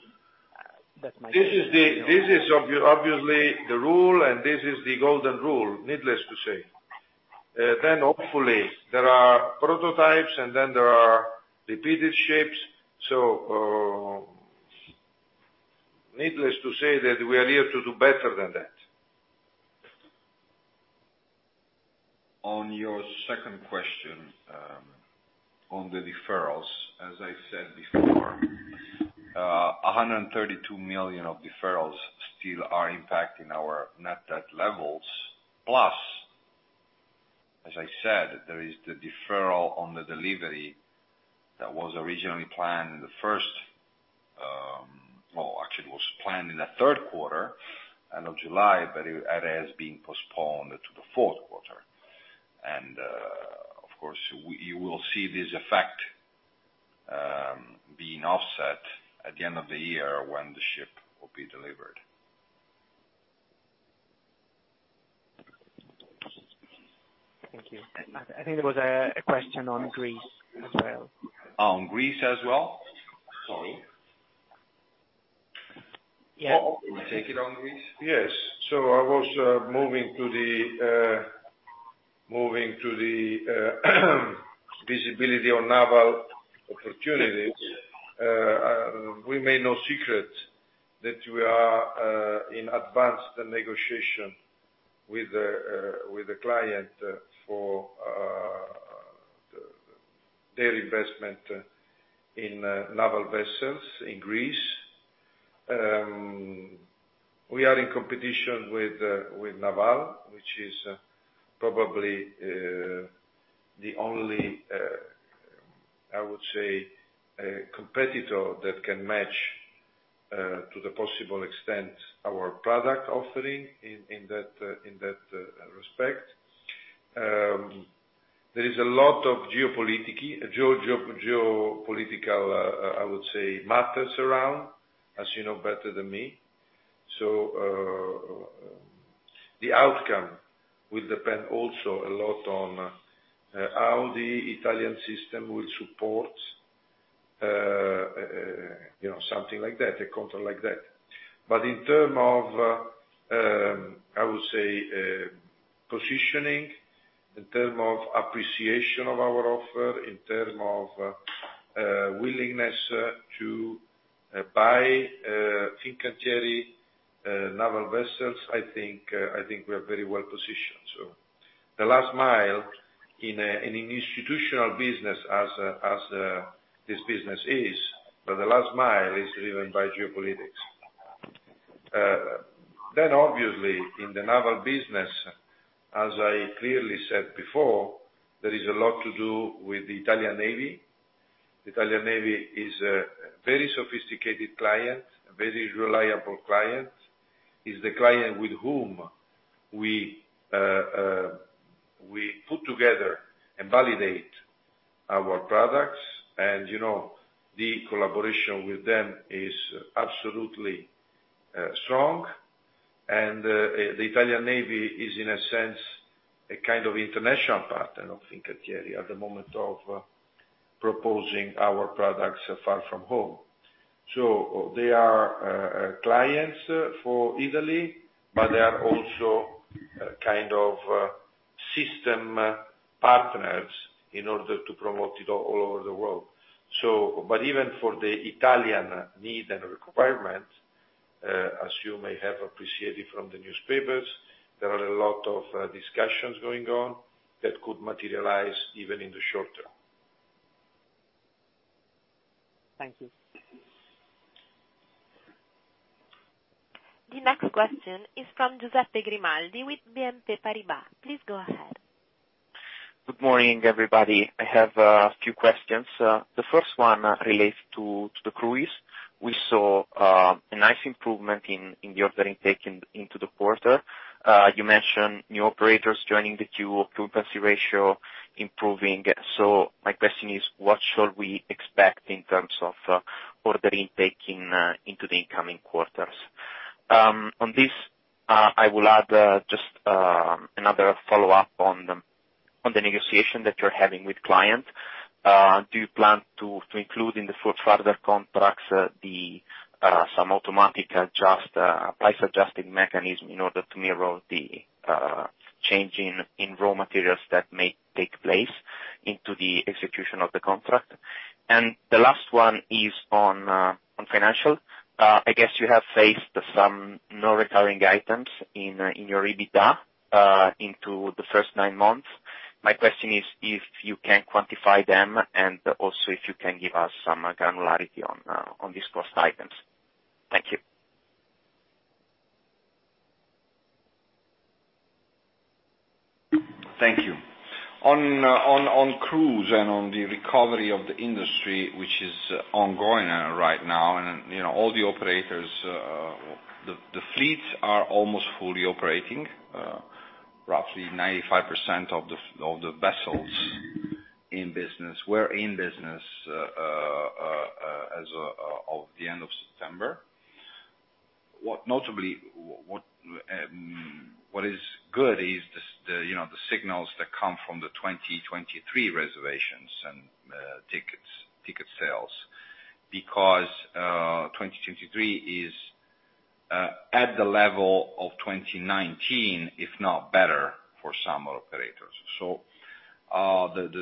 my take. This is obviously the rule, this is the golden rule, needless to say. Hopefully, there are prototypes, there are repeated ships. Needless to say that we are here to do better than that. On your second question, on the deferrals, as I said before, 132 million of deferrals still are impacting our net debt levels. Plus, as I said, there is the deferral on the delivery that was originally planned. Well, actually it was planned in the third quarter, end of July, but that has been postponed to the fourth quarter. Of course, you will see this effect being offset at the end of the year when the ship will be delivered. Thank you. I think there was a question on Greece as well. On Greece as well? Sorry. Yeah. You take it on Greece? Yes. I was moving to the visibility on naval opportunities. We made no secret that we are in advanced negotiation with a client for their investment in naval vessels in Greece. We are in competition with Naval, which is probably the only, I would say, competitor that can match to the possible extent our product offering in that respect. There is a lot of geopolitical, I would say, matters around, as you know better than me. The outcome will depend also a lot on how the Italian system will support something like that, a contract like that. In term of, I would say, positioning, in term of appreciation of our offer, in term of willingness to buy Fincantieri Naval Vessels, I think we are very well positioned. The last mile in an institutional business as this business is, but the last mile is driven by geopolitics. Obviously, in the naval business, as I clearly said before, there is a lot to do with the Italian Navy. The Italian Navy is a very sophisticated client, a very reliable client. It is the client with whom we put together and validate our products. The collaboration with them is absolutely strong. The Italian Navy is, in a sense, a kind of international partner of Fincantieri at the moment of proposing our products far from home. They are clients for Italy, but they are also kind of system partners in order to promote it all over the world. Even for the Italian need and requirement, as you may have appreciated from the newspapers, there are a lot of discussions going on that could materialize even in the short term. Thank you. The next question is from Giuseppe Grimaldi with BNP Paribas. Please go ahead. Good morning, everybody. I have a few questions. The first one relates to the cruise. We saw a nice improvement in the order intake into the quarter. You mentioned new operators joining the queue, occupancy ratio improving. My question is: What shall we expect in terms of ordering taking into the incoming quarters? On this, I will add just another follow-up on the negotiation that you're having with clients. Do you plan to include in the further contracts some automatic price adjusting mechanism in order to mirror the change in raw materials that may take place into the execution of the contract? The last one is on financial. I guess you have faced some non-recurring items in your EBITDA into the first nine months. My question is if you can quantify them and also if you can give us some granularity on these cost items. Thank you. Thank you. On cruise and on the recovery of the industry, which is ongoing right now, and all the operators, the fleets are almost fully operating. Roughly 95% of the vessels were in business as of the end of September. Notably, what is good is the signals that come from the 2023 reservations and ticket sales because 2023 is at the level of 2019, if not better, for some operators.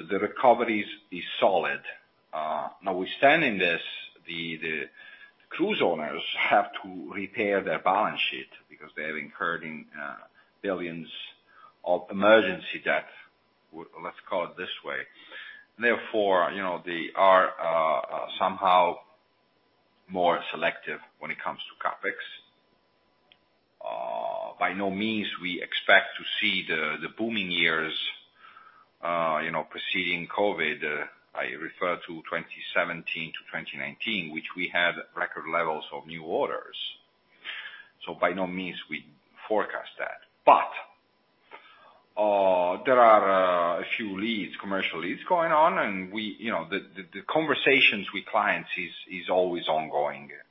The recovery is solid. Now we stand in this, the cruise owners have to repair their balance sheet because they have incurred in billions of emergency debt, let's call it this way. Therefore, they are somehow more selective when it comes to CapEx. By no means we expect to see the booming years preceding COVID. I refer to 2017 to 2019, which we had record levels of new orders. By no means we forecast that. There are a few leads, commercial leads going on, and the conversations with clients is always ongoing for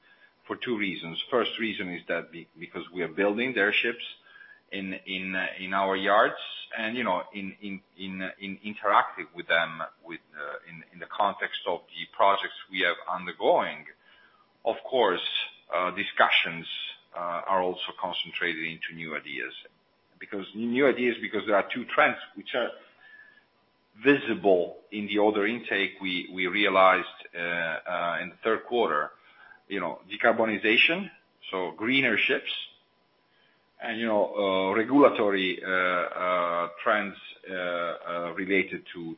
two reasons. First reason is that because we are building their ships in our yards and interacting with them in the context of the projects we have ongoing. Of course, discussions are also concentrated into new ideas. New ideas because there are two trends which are visible in the order intake we realized in the third quarter. Decarbonization, so greener ships, and regulatory trends related to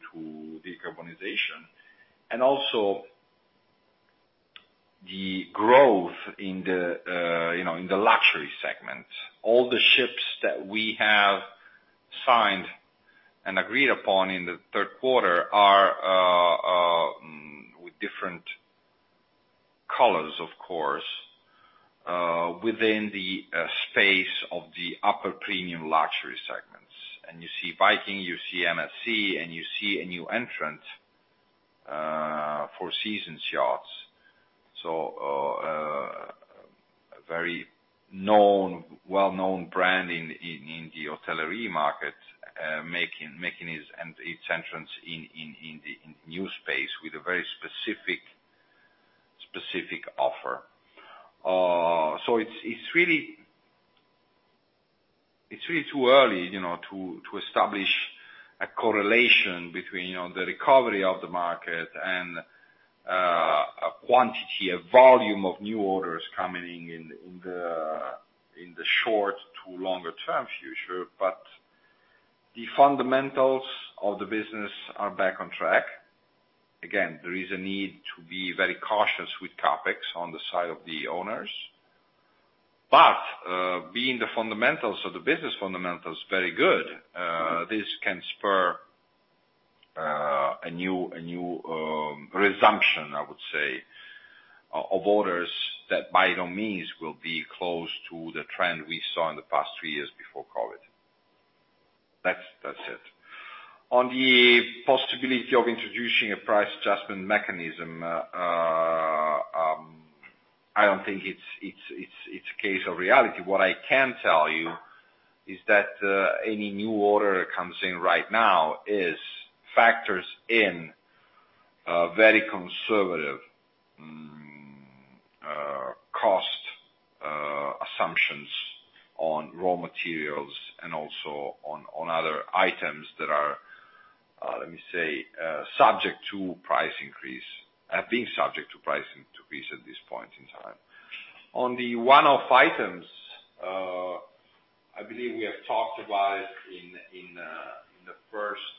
decarbonization. Also the growth in the luxury segment. All the ships that we have signed and agreed upon in the third quarter are with different colors, of course, within the space of the upper premium luxury segments. You see Viking, you see MSC, and you see a new entrant, Four Seasons Yachts. A very well-known brand in the hotelier market making its entrance in new space with a very specific offer. It's really It's really too early to establish a correlation between the recovery of the market and a quantity, a volume of new orders coming in in the short to longer term future, but the fundamentals of the business are back on track. Again, there is a need to be very cautious with CapEx on the side of the owners. Being the fundamentals of the business fundamentals very good, this can spur a new resumption, I would say, of orders that by no means will be close to the trend we saw in the past three years before COVID. That's it. On the possibility of introducing a price adjustment mechanism, I don't think it's a case of reality. What I can tell you is that any new order that comes in right now factors in very conservative cost assumptions on raw materials and also on other items that are, let me say, subject to price increase at this point in time. On the one-off items, I believe we have talked about it in the first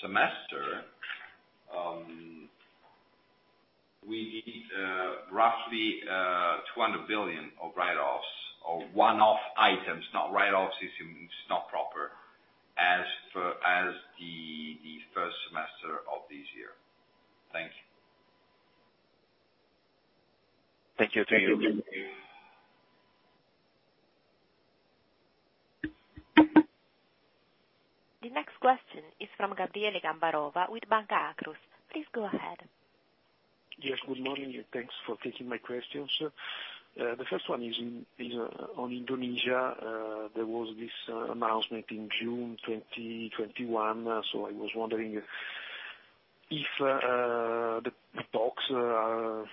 semester. We need roughly 200 million of write-offs or one-off items, not write-offs, it's not proper, as the first semester of this year. Thank you. Thank you. Thank you. The next question is from Gabriele Gambarova with Banca Akros. Please go ahead. Yes, good morning. Thanks for taking my questions. The first one is on Indonesia. There was this announcement in June 2021. I was wondering if the talks are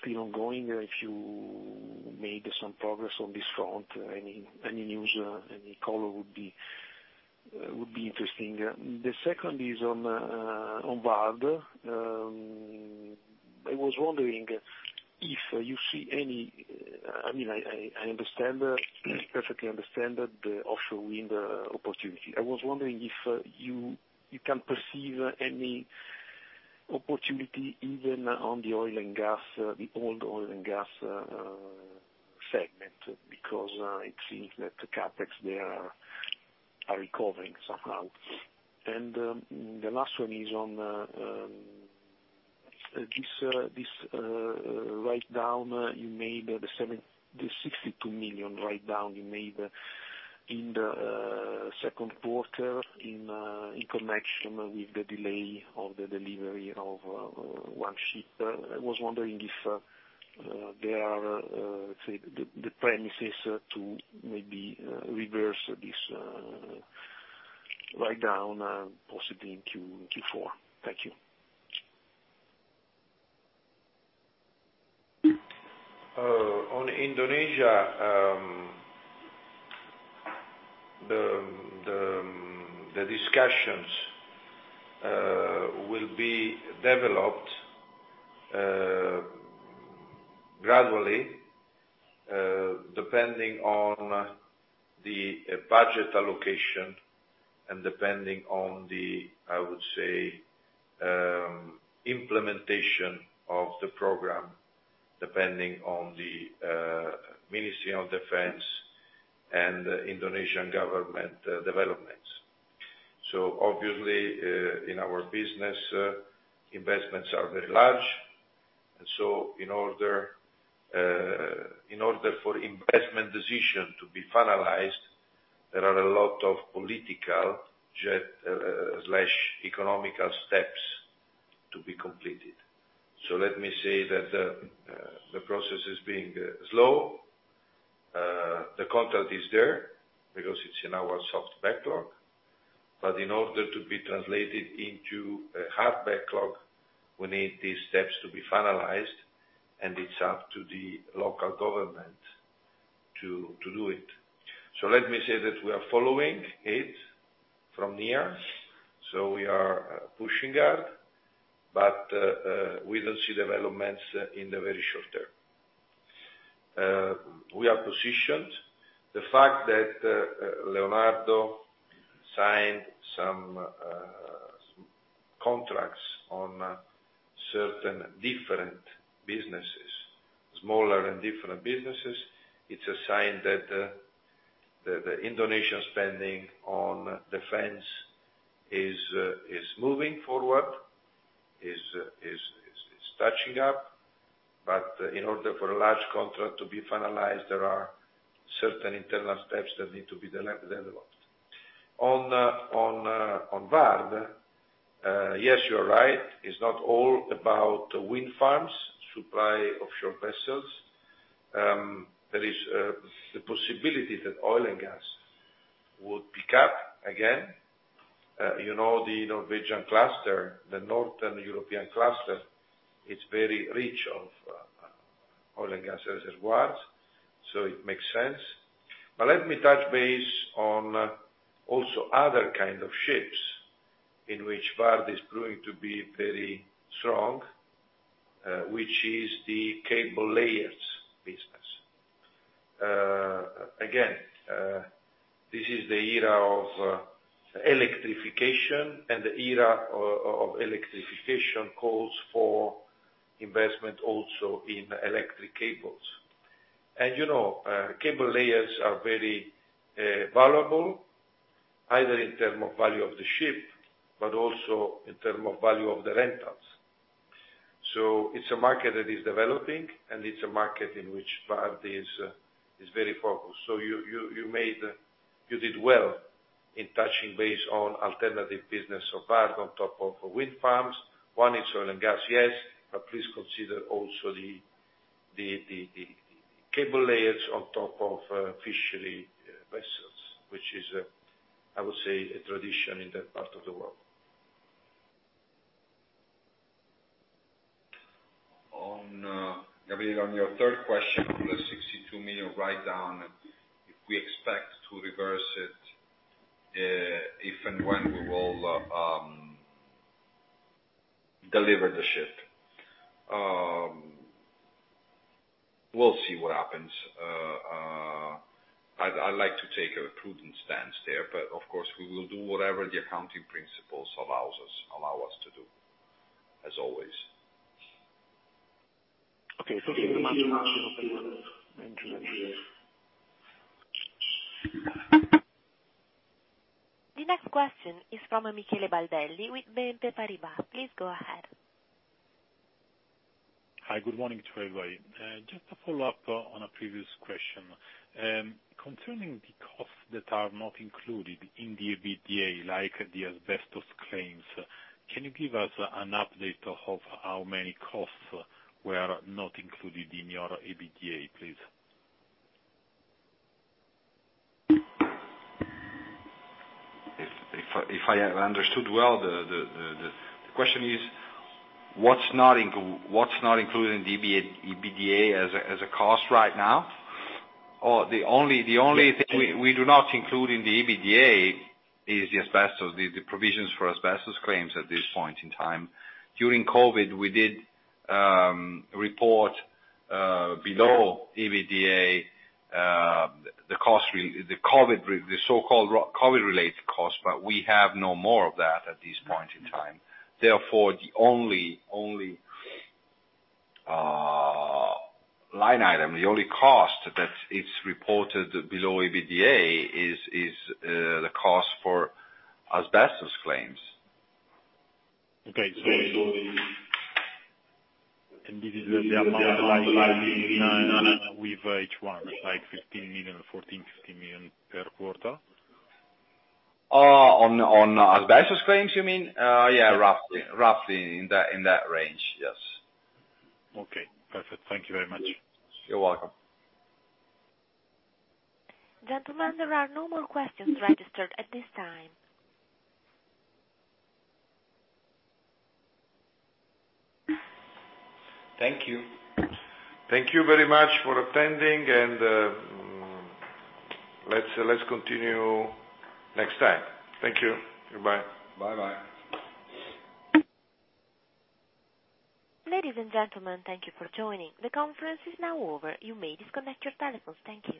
still ongoing, if you made some progress on this front, any news, any call would be interesting. The second is on VARD. I perfectly understand the offshore wind opportunity. I was wondering if you can perceive any opportunity even on the old oil and gas segment, it seems that the CapEx there are recovering somehow. The last one is on this write-down you made, the 62 million write-down you made in the second quarter in connection with the delay of the delivery of one ship. I was wondering if there are the premises to maybe reverse this write-down possibly in Q4. Thank you. On Indonesia, the discussions will be developed gradually, depending on the budget allocation, and depending on the, I would say, implementation of the program, depending on the Ministry of Defense and the Indonesian government developments. Obviously, in our business, investments are very large. In order for investment decision to be finalized, there are a lot of political/economical steps to be completed. Let me say that the process is being slow. The contract is there because it's in our soft backlog. In order to be translated into a hard backlog, we need these steps to be finalized, and it's up to the local government to do it. Let me say that we are following it from near. We are pushing hard, but we don't see developments in the very short term. We are positioned. The fact that Leonardo signed some contracts on certain different businesses, smaller and different businesses, it's a sign that the Indonesian spending on defense is moving forward, is touching up. In order for a large contract to be finalized, there are certain internal steps that need to be developed. On VARD, yes, you're right. It's not all about wind farms, supply of offshore vessels. There is the possibility that oil and gas Would pick up again. The Norwegian cluster, the Northern European cluster, it's very rich of oil and gas reservoirs, it makes sense. Let me touch base on also other kind of ships in which VARD is proving to be very strong, which is the cable layers business. Again, this is the era of electrification, the era of electrification calls for investment also in electric cables. Cable layers are very valuable, either in term of value of the ship, but also in term of value of the rentals. It's a market that is developing, it's a market in which VARD is very focused. You did well in touching base on alternative business of VARD on top of wind farms. One is oil and gas, yes, please consider also the cable layers on top of fishery vessels, which is, I would say, a tradition in that part of the world. On, Gabriele, on your third question, on the 62 million write-down, if we expect to reverse it, if and when we will deliver the ship. We'll see what happens. I'd like to take a prudent stance there, of course, we will do whatever the accounting principles allow us to do, as always. Okay. Thank you much. The next question is from Michele Baldelli with BNP Paribas. Please go ahead. Hi. Good morning to everybody. Just to follow up on a previous question. Concerning the costs that are not included in the EBITDA, like the asbestos claims, can you give us an update of how many costs were not included in your EBITDA, please? If I understood well, the question is, what's not included in the EBITDA as a cost right now? The only thing we do not include in the EBITDA is the provisions for asbestos claims at this point in time. During COVID, we did report below EBITDA, the so-called COVID related cost, but we have no more of that at this point in time. The only line item, the only cost that it's reported below EBITDA is the cost for asbestos claims. Okay. This is the amount like with H1, like 15 million, 14 million-15 million per quarter? On asbestos claims, you mean? Yeah, roughly in that range. Yes. Okay, perfect. Thank you very much. You're welcome. Gentlemen, there are no more questions registered at this time. Thank you. Thank you very much for attending. Let's continue next time. Thank you. Goodbye. Bye. Bye. Ladies and gentlemen, thank you for joining. The conference is now over. You may disconnect your telephones. Thank you.